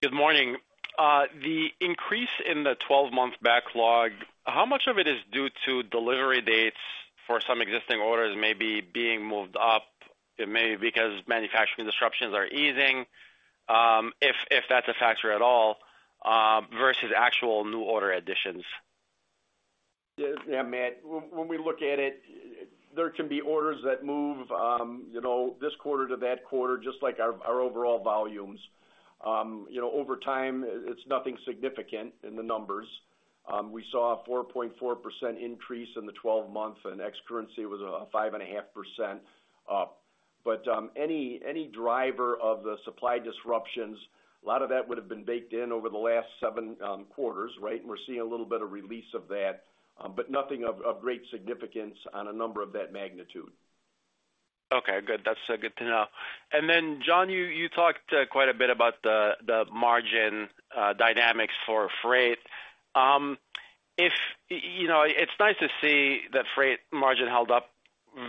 Good morning. The increase in the 12-month backlog, how much of it is due to delivery dates for some existing orders maybe being moved up, it may be because manufacturing disruptions are easing, if that's a factor at all, versus actual new order additions? Yeah, Matt, when we look at it, there can be orders that move, you know, this quarter to that quarter just like our overall volumes. You know, over time it's nothing significant in the numbers. We saw a 4.4% increase in the 12-month, and ex-currency was 5.5% up. Any driver of the supply disruptions, a lot of that would have been baked in over the last seven quarters, right? We're seeing a little bit of release of that, but nothing of great significance on a number of that magnitude. Okay, good. That's good to know. John, you talked quite a bit about the margin dynamics for freight. You know, it's nice to see that freight margin held up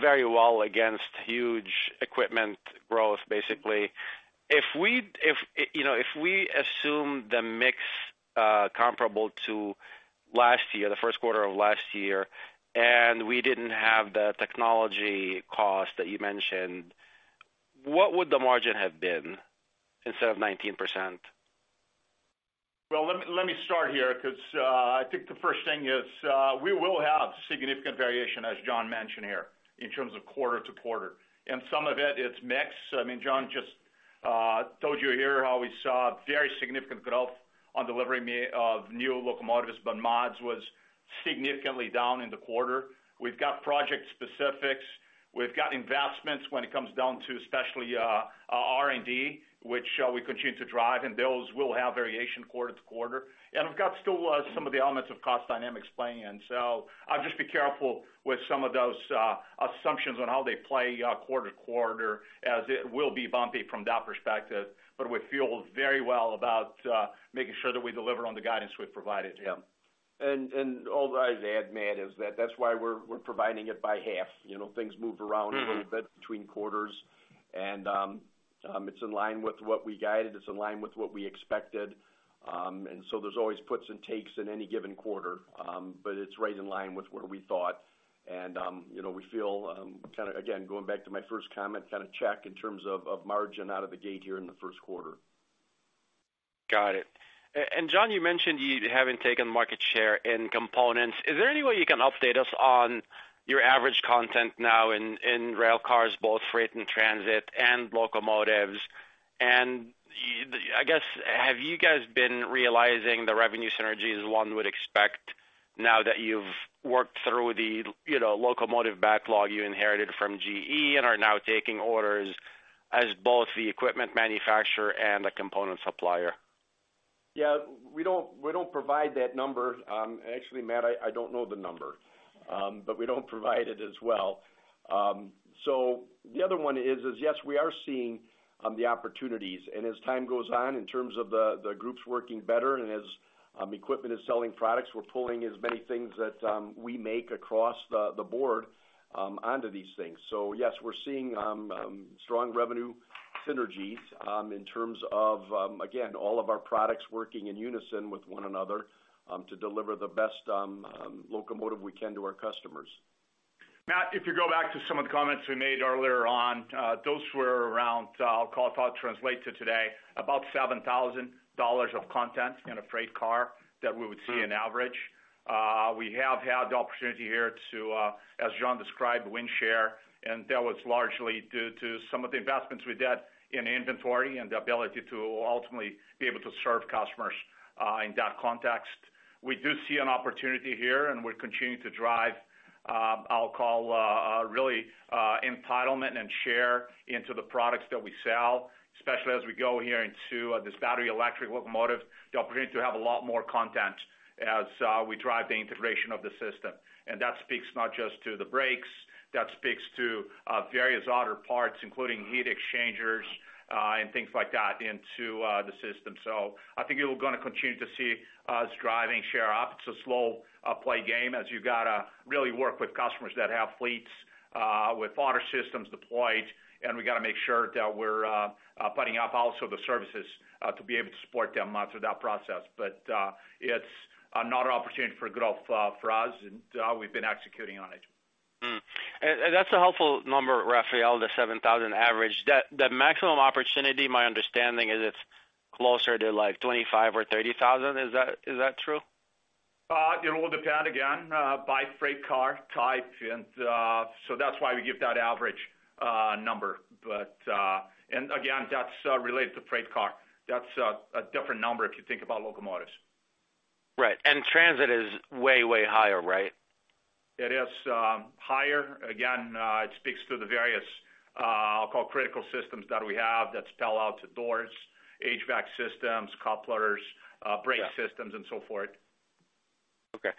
very well against huge equipment growth, basically. If you know, if we assume the mix comparable to last year, the Q1 of last year, and we didn't have the technology cost that you mentioned, what would the margin have been instead of 19%? Well, let me start here, because I think the first thing is, we will have significant variation, as John mentioned here, in terms of quarter to quarter. Some of it's mix. I mean, John just told you here how we saw very significant growth on delivery of new locomotives, but mods was significantly down in the quarter. We've got project specifics. We've got investments when it comes down to especially R&D, which we continue to drive, and those will have variation quarter to quarter. We've got still some of the elements of cost dynamics playing in. I'll just be careful with some of those assumptions on how they play quarter to quarter, as it will be bumpy from that perspective. we feel very well about making sure that we deliver on the guidance we've provided. Yeah. All I'd add, Matt, is that that's why we're providing it by half. You know, things move around a little bit between quarters, and, it's in line with what we guided, it's in line with what we expected. There's always puts and takes in any given quarter, but it's right in line with what we thought. You know, we feel, kind of, again, going back to my first comment, kind of check in terms of margin out of the gate here in the Q1. Got it. John, you mentioned you having taken market share in components. Is there any way you can update us on your average content now in railcars, both freight and transit, and locomotives? I guess, have you guys been realizing the revenue synergies one would expect now that you've worked through the, you know, locomotive backlog you inherited from GE and are now taking orders as both the equipment manufacturer and the component supplier? We don't provide that number. Actually, Matt, I don't know the number. We don't provide it as well. The other one is yes, we are seeing the opportunities. As time goes on, in terms of the groups working better and as equipment is selling products, we're pulling as many things that we make across the board onto these things. Yes, we're seeing strong revenue synergies, in terms of again, all of our products working in unison with one another, to deliver the best locomotive we can to our customers. Matt, if you go back to some of the comments we made earlier on, those were around, I'll call, translate to today, about $7,000 of content in a freight car that we would see in average. We have had the opportunity here to, as John described, win share, and that was largely due to some of the investments we did in inventory and the ability to ultimately be able to serve customers in that context. We do see an an opportunity here, and we're continuing to drive, I'll call, really, entitlement and share into the products that we sell, especially as we go here into this battery electric locomotive, the opportunity to have a lot more content as we drive the integration of the system. That speaks not just to the brakes, that speaks to various other parts, including heat exchangers, and things like that into the system. I think you are gonna continue to see us driving share up. It's a slow play game as you gotta really work with customers that have fleets with other systems deployed, and we gotta make sure that we're putting up also the services to be able to support them through that process. It's another opportunity for growth for us, and we've been executing on it. That's a helpful number, Rafael, the 7,000 average. The maximum opportunity, my understanding is it's closer to like 25,000 or 30,000. Is that true? It will depend again by freight car type. That's why we give that average number. Again, that's related to freight car. That's a different number if you think about locomotives. Right. Transit is way higher, right? It is higher. It speaks to the various, I'll call critical systems that we have that spell out to doors, HVAC systems, couplers, brake systems and so forth. Okay.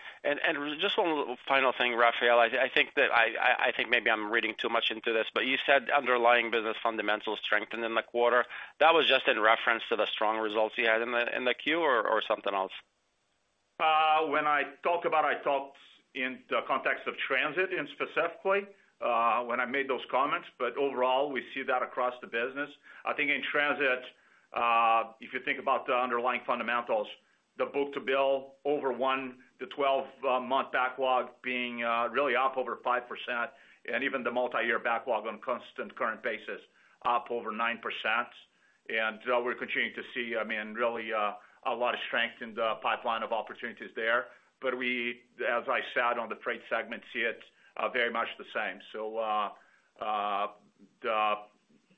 Just one final thing, Rafael. I think that I think maybe I'm reading too much into this, but you said underlying business fundamentals strengthened in the quarter. That was just in reference to the strong results you had in the Q or something else? I talked in the context of transit and specifically, when I made those comments, but overall, we see that across the business. I think in transit, if you think about the underlying fundamentals, the book to bill over 1 to 12 month backlog being really up over 5% and even the multi-year backlog on constant current basis up over 9%. We're continuing to see, I mean, really, a lot of strength in the pipeline of opportunities there. We, as I said on the freight segment, see it very much the same. The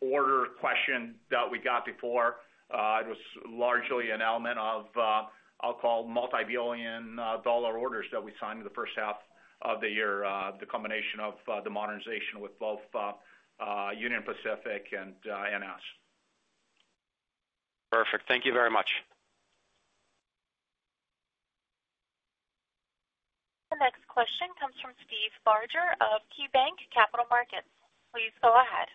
order question that we got before, it was largely an element of, I'll call multi-billion dollar orders that we signed in the H1 of the year, the combination of the modernization with both Union Pacific and NS. Perfect. Thank you very much. The next question comes from Steve Barger of KeyBanc Capital Markets. Please go ahead.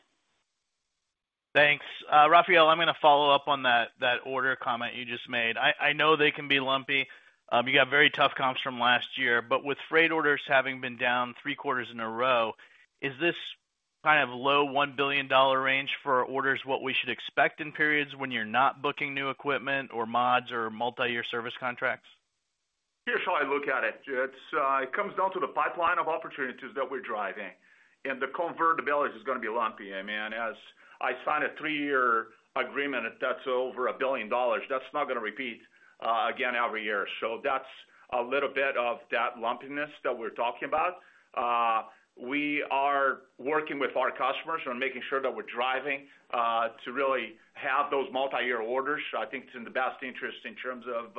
Thanks. Rafael, I'm gonna follow up on that order comment you just made. I know they can be lumpy. You got very tough comps from last year. With freight orders having been down three quarters in a row, is this kind of low $1 billion range for orders what we should expect in periods when you're not booking new equipment or mods or multi-year service contracts? Here's how I look at it. It's, it comes down to the pipeline of opportunities that we're driving. The convertibility is gonna be lumpy. I mean, as I sign a three-year agreement that's over $1 billion, that's not gonna repeat again every year. That's a little bit of that lumpiness that we're talking about. We are working with our customers on making sure that we're driving to really have those multi-year orders. I think it's in the best interest in terms of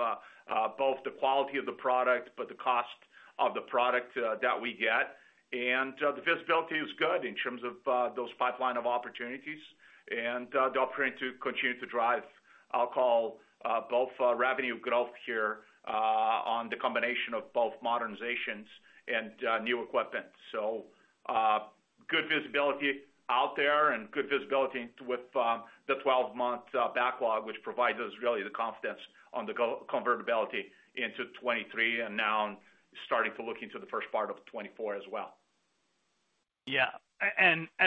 both the quality of the product but the cost of the product that we get. The visibility is good in terms of those pipeline of opportunities and the opportunity to continue to drive, I'll call, both revenue growth here on the combination of both modernizations and new equipment. Good visibility out there and good visibility with the 12-month backlog, which provides us really the confidence on the convertibility into 2023 and now starting to look into the first part of 2024 as well. Yeah.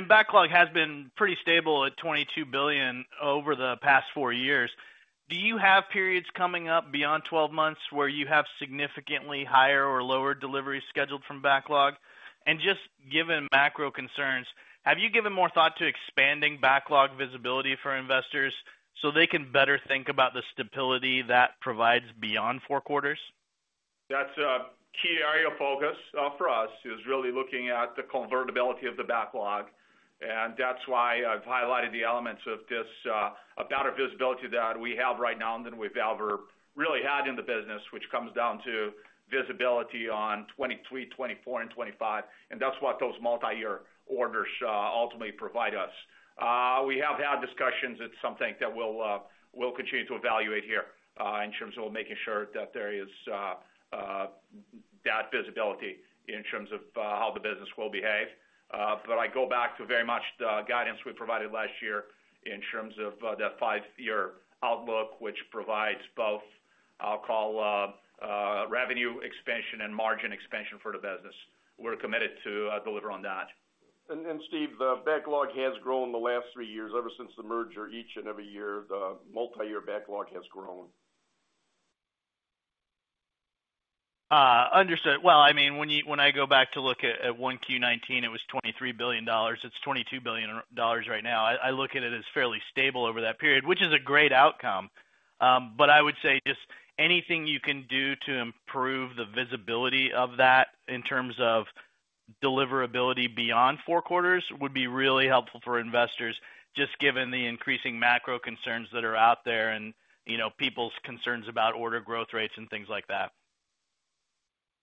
Backlog has been pretty stable at $22 billion over the past four years. Do you have periods coming up beyond 12 months where you have significantly higher or lower deliveries scheduled from backlog? Just given macro concerns, have you given more thought to expanding backlog visibility for investors so they can better think about the stability that provides beyond four quarters? That's a key area of focus for us, is really looking at the convertibility of the backlog. That's why I've highlighted the elements of this, a better visibility that we have right now than we've ever really had in the business, which comes down to visibility on 2023, 2024 and 2025, and that's what those multi-year orders ultimately provide us. We have had discussions. It's something that we'll continue to evaluate here, in terms of making sure that there is that visibility in terms of how the business will behave. I go back to very much the guidance we provided last year in terms of the five-year outlook, which provides both, I'll call, revenue expansion and margin expansion for the business. We're committed to deliver on that. Steve, the backlog has grown the last three years. Ever since the merger, each and every year, the multi-year backlog has grown. understood. Well, I mean, when I go back to look at 1Q 2019, it was $23 billion. It's $22 billion right now. I look at it as fairly stable over that period, which is a great outcome. I would say just anything you can do to improve the visibility of that in terms of deliverability beyond four quarters would be really helpful for investors, just given the increasing macro concerns that are out there and, you know, people's concerns about order growth rates and things like that.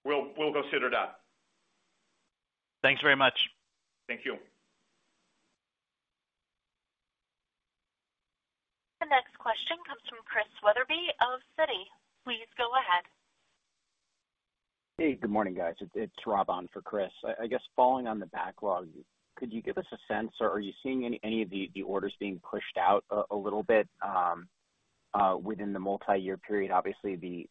We'll consider that. Thanks very much. Thank you. The next question comes from Chris Wetherbee of Citi. Please go ahead. Hey, good morning, guys. It's Rob on for Chris. I guess following on the backlog, could you give us a sense, or are you seeing any of the orders being pushed out a little bit within the multi-year period? Obviously, the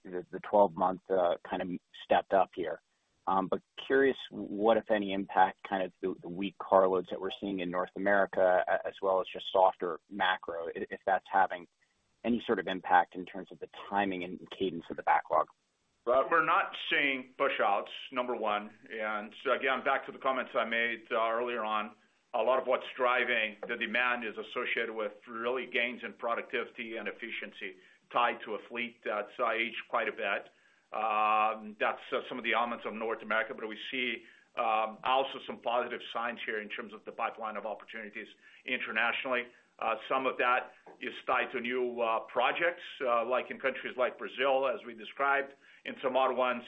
12-month kind of stepped up here. Curious what, if any, impact kind of the weak car loads that we're seeing in North America, as well as just softer macro, if that's having any sort of impact in terms of the timing and cadence of the backlog? Rob, we're not seeing pushouts, number one. Again, back to the comments I made earlier on, a lot of what's driving the demand is associated with really gains in productivity and efficiency tied to a fleet that's aged quite a bit. That's some of the elements of North America. We see also some positive signs here in terms of the pipeline of opportunities internationally. Some of that is tied to new projects, like in countries like Brazil, as we described. In some other ones,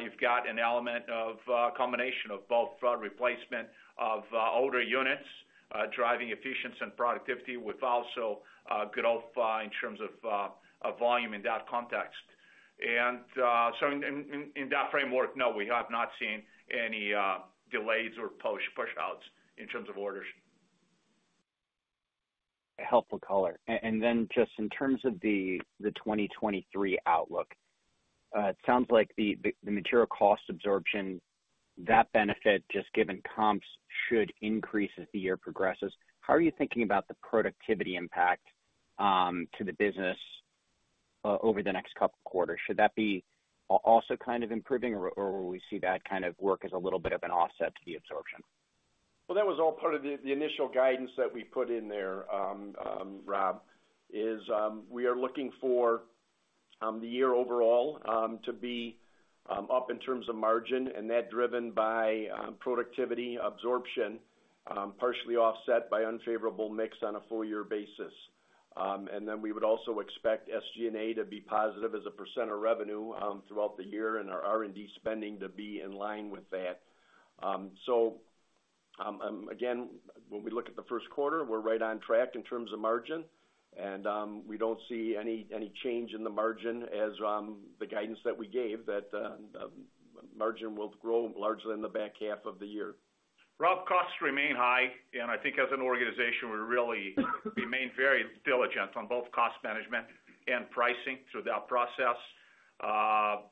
you've got an element of combination of both, replacement of older units, driving efficiency and productivity with also growth in terms of volume in that context. So in that framework, no, we have not seen any delays or pushouts in terms of orders. Helpful color. Just in terms of the 2023 outlook, it sounds like the material cost absorption, that benefit, just given comps, should increase as the year progresses. How are you thinking about the productivity impact to the business over the next couple quarters? Should that be also kind of improving or will we see that kind of work as a little bit of an offset to the absorption? Well, that was all part of the initial guidance that we put in there, Rob, is, we are looking for, the year overall, to be, up in terms of margin and that driven by, productivity absorption, partially offset by unfavorable mix on a full year basis. We would also expect SG&A to be positive as a % of revenue throughout the year and our R&D spending to be in line with that. So Again, when we look at the 1st quarter, we're right on track in terms of margin. We don't see any change in the margin as the guidance that we gave that margin will grow largely in the back half of the year. Rob, costs remain high, and I think as an organization, we really remain very diligent on both cost management and pricing through that process.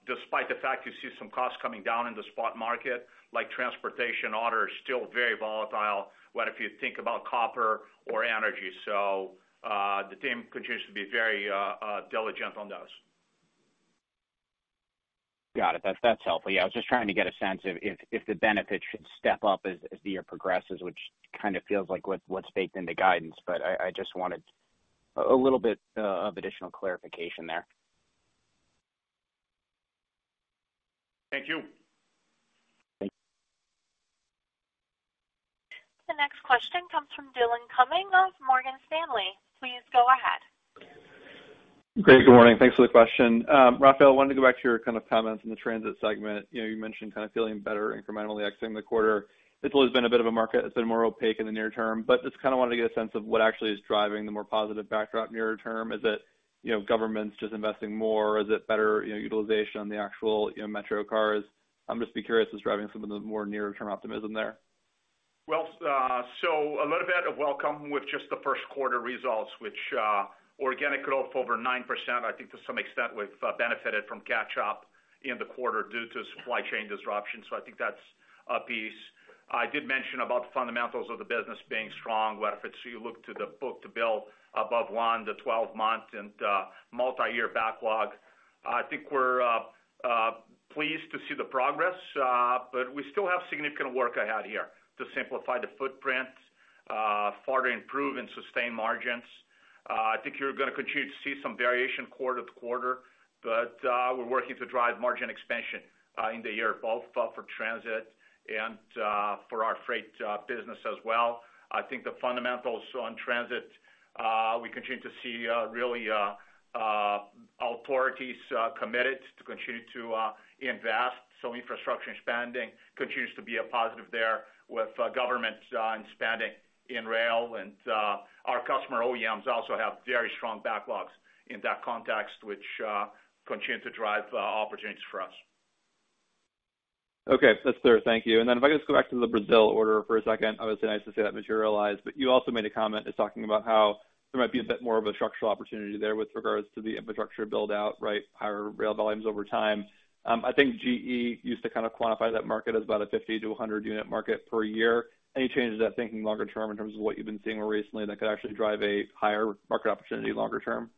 Despite the fact you see some costs coming down in the spot market, like transportation, order is still very volatile, what if you think about copper or energy. The team continues to be very diligent on those. Got it. That's helpful. Yeah, I was just trying to get a sense of if the benefit should step up as the year progresses, which kinda feels like what's baked into guidance. I just wanted a little bit of additional clarification there. Thank you. Thank you. The next question comes from Dillon Cumming of Morgan Stanley. Please go ahead. Great, good morning. Thanks for the question. Rafael, wanted to go back to your kind of comments in the transit segment. You know, you mentioned kind of feeling better incrementally exiting the quarter. It's always been a bit of a market that's been more opaque in the near term, but just kinda wanted to get a sense of what actually is driving the more positive backdrop near-term. Is it, you know, governments just investing more? Is it better, you know, utilization on the actual, you know, metro cars? I'm just curious what's driving some of the more near-term optimism there. A little bit of welcome with just the Q1 results, which organic growth over 9%, I think to some extent we've benefited from catch up in the quarter due to supply chain disruptions. I think that's a piece. I did mention about the fundamentals of the business being strong. Whether if it's you look to the book to build above one, the 12-month and multi-year backlog. I think we're pleased to see the progress, we still have significant work ahead here to simplify the footprint, further improve and sustain margins. I think you're gonna continue to see some variation quarter to quarter, we're working to drive margin expansion in the year, both for transit and for our freight business as well. I think the fundamentals on transit, we continue to see, really, authorities, committed to continue to invest. Infrastructure expanding continues to be a positive there with government and spending in rail. Our customer OEMs also have very strong backlogs in that context, which continue to drive opportunities for us. Okay, that's clear. Thank you. If I could just go back to the Brazil order for a second. Obviously nice to see that materialize, but you also made a comment just talking about how there might be a bit more of a structural opportunity there with regards to the infrastructure build-out, right? Higher rail volumes over time. I think GE used to kind of quantify that market as about a 50-100 unit market per year. Any changes to that thinking longer term in terms of what you've been seeing more recently that could actually drive a higher market opportunity longer term?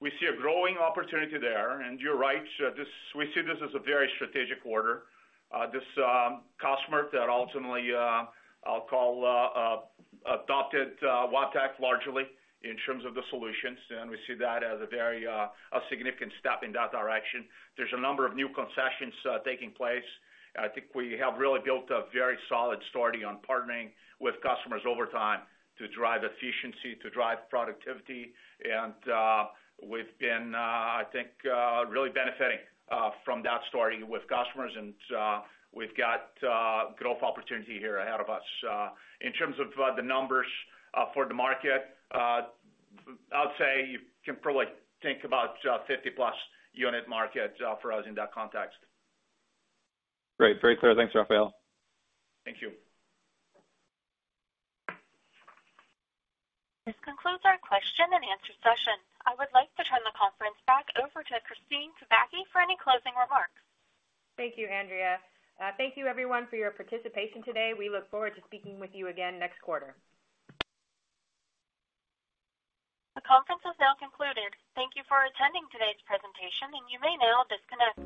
We see a growing opportunity there, and you're right. We see this as a very strategic order. This customer that ultimately, I'll call adopted, Wabtec largely in terms of the solutions, and we see that as a very significant step in that direction. There's a number of new concessions taking place. I think we have really built a very solid story on partnering with customers over time to drive efficiency, to drive productivity. We've been, I think, really benefiting from that story with customers. We've got growth opportunity here ahead of us. In terms of the numbers for the market, I would say you can probably think about a 50+ unit market for us in that context. Great. Very clear. Thanks, Rafael. Thank you. This concludes our question and answer session. I would like to turn the conference back over to Kristine Kubacki for any closing remarks. Thank you, Andrea. Thank you everyone for your participation today. We look forward to speaking with you again next quarter. The conference is now concluded. Thank you for attending today's presentation. You may now disconnect.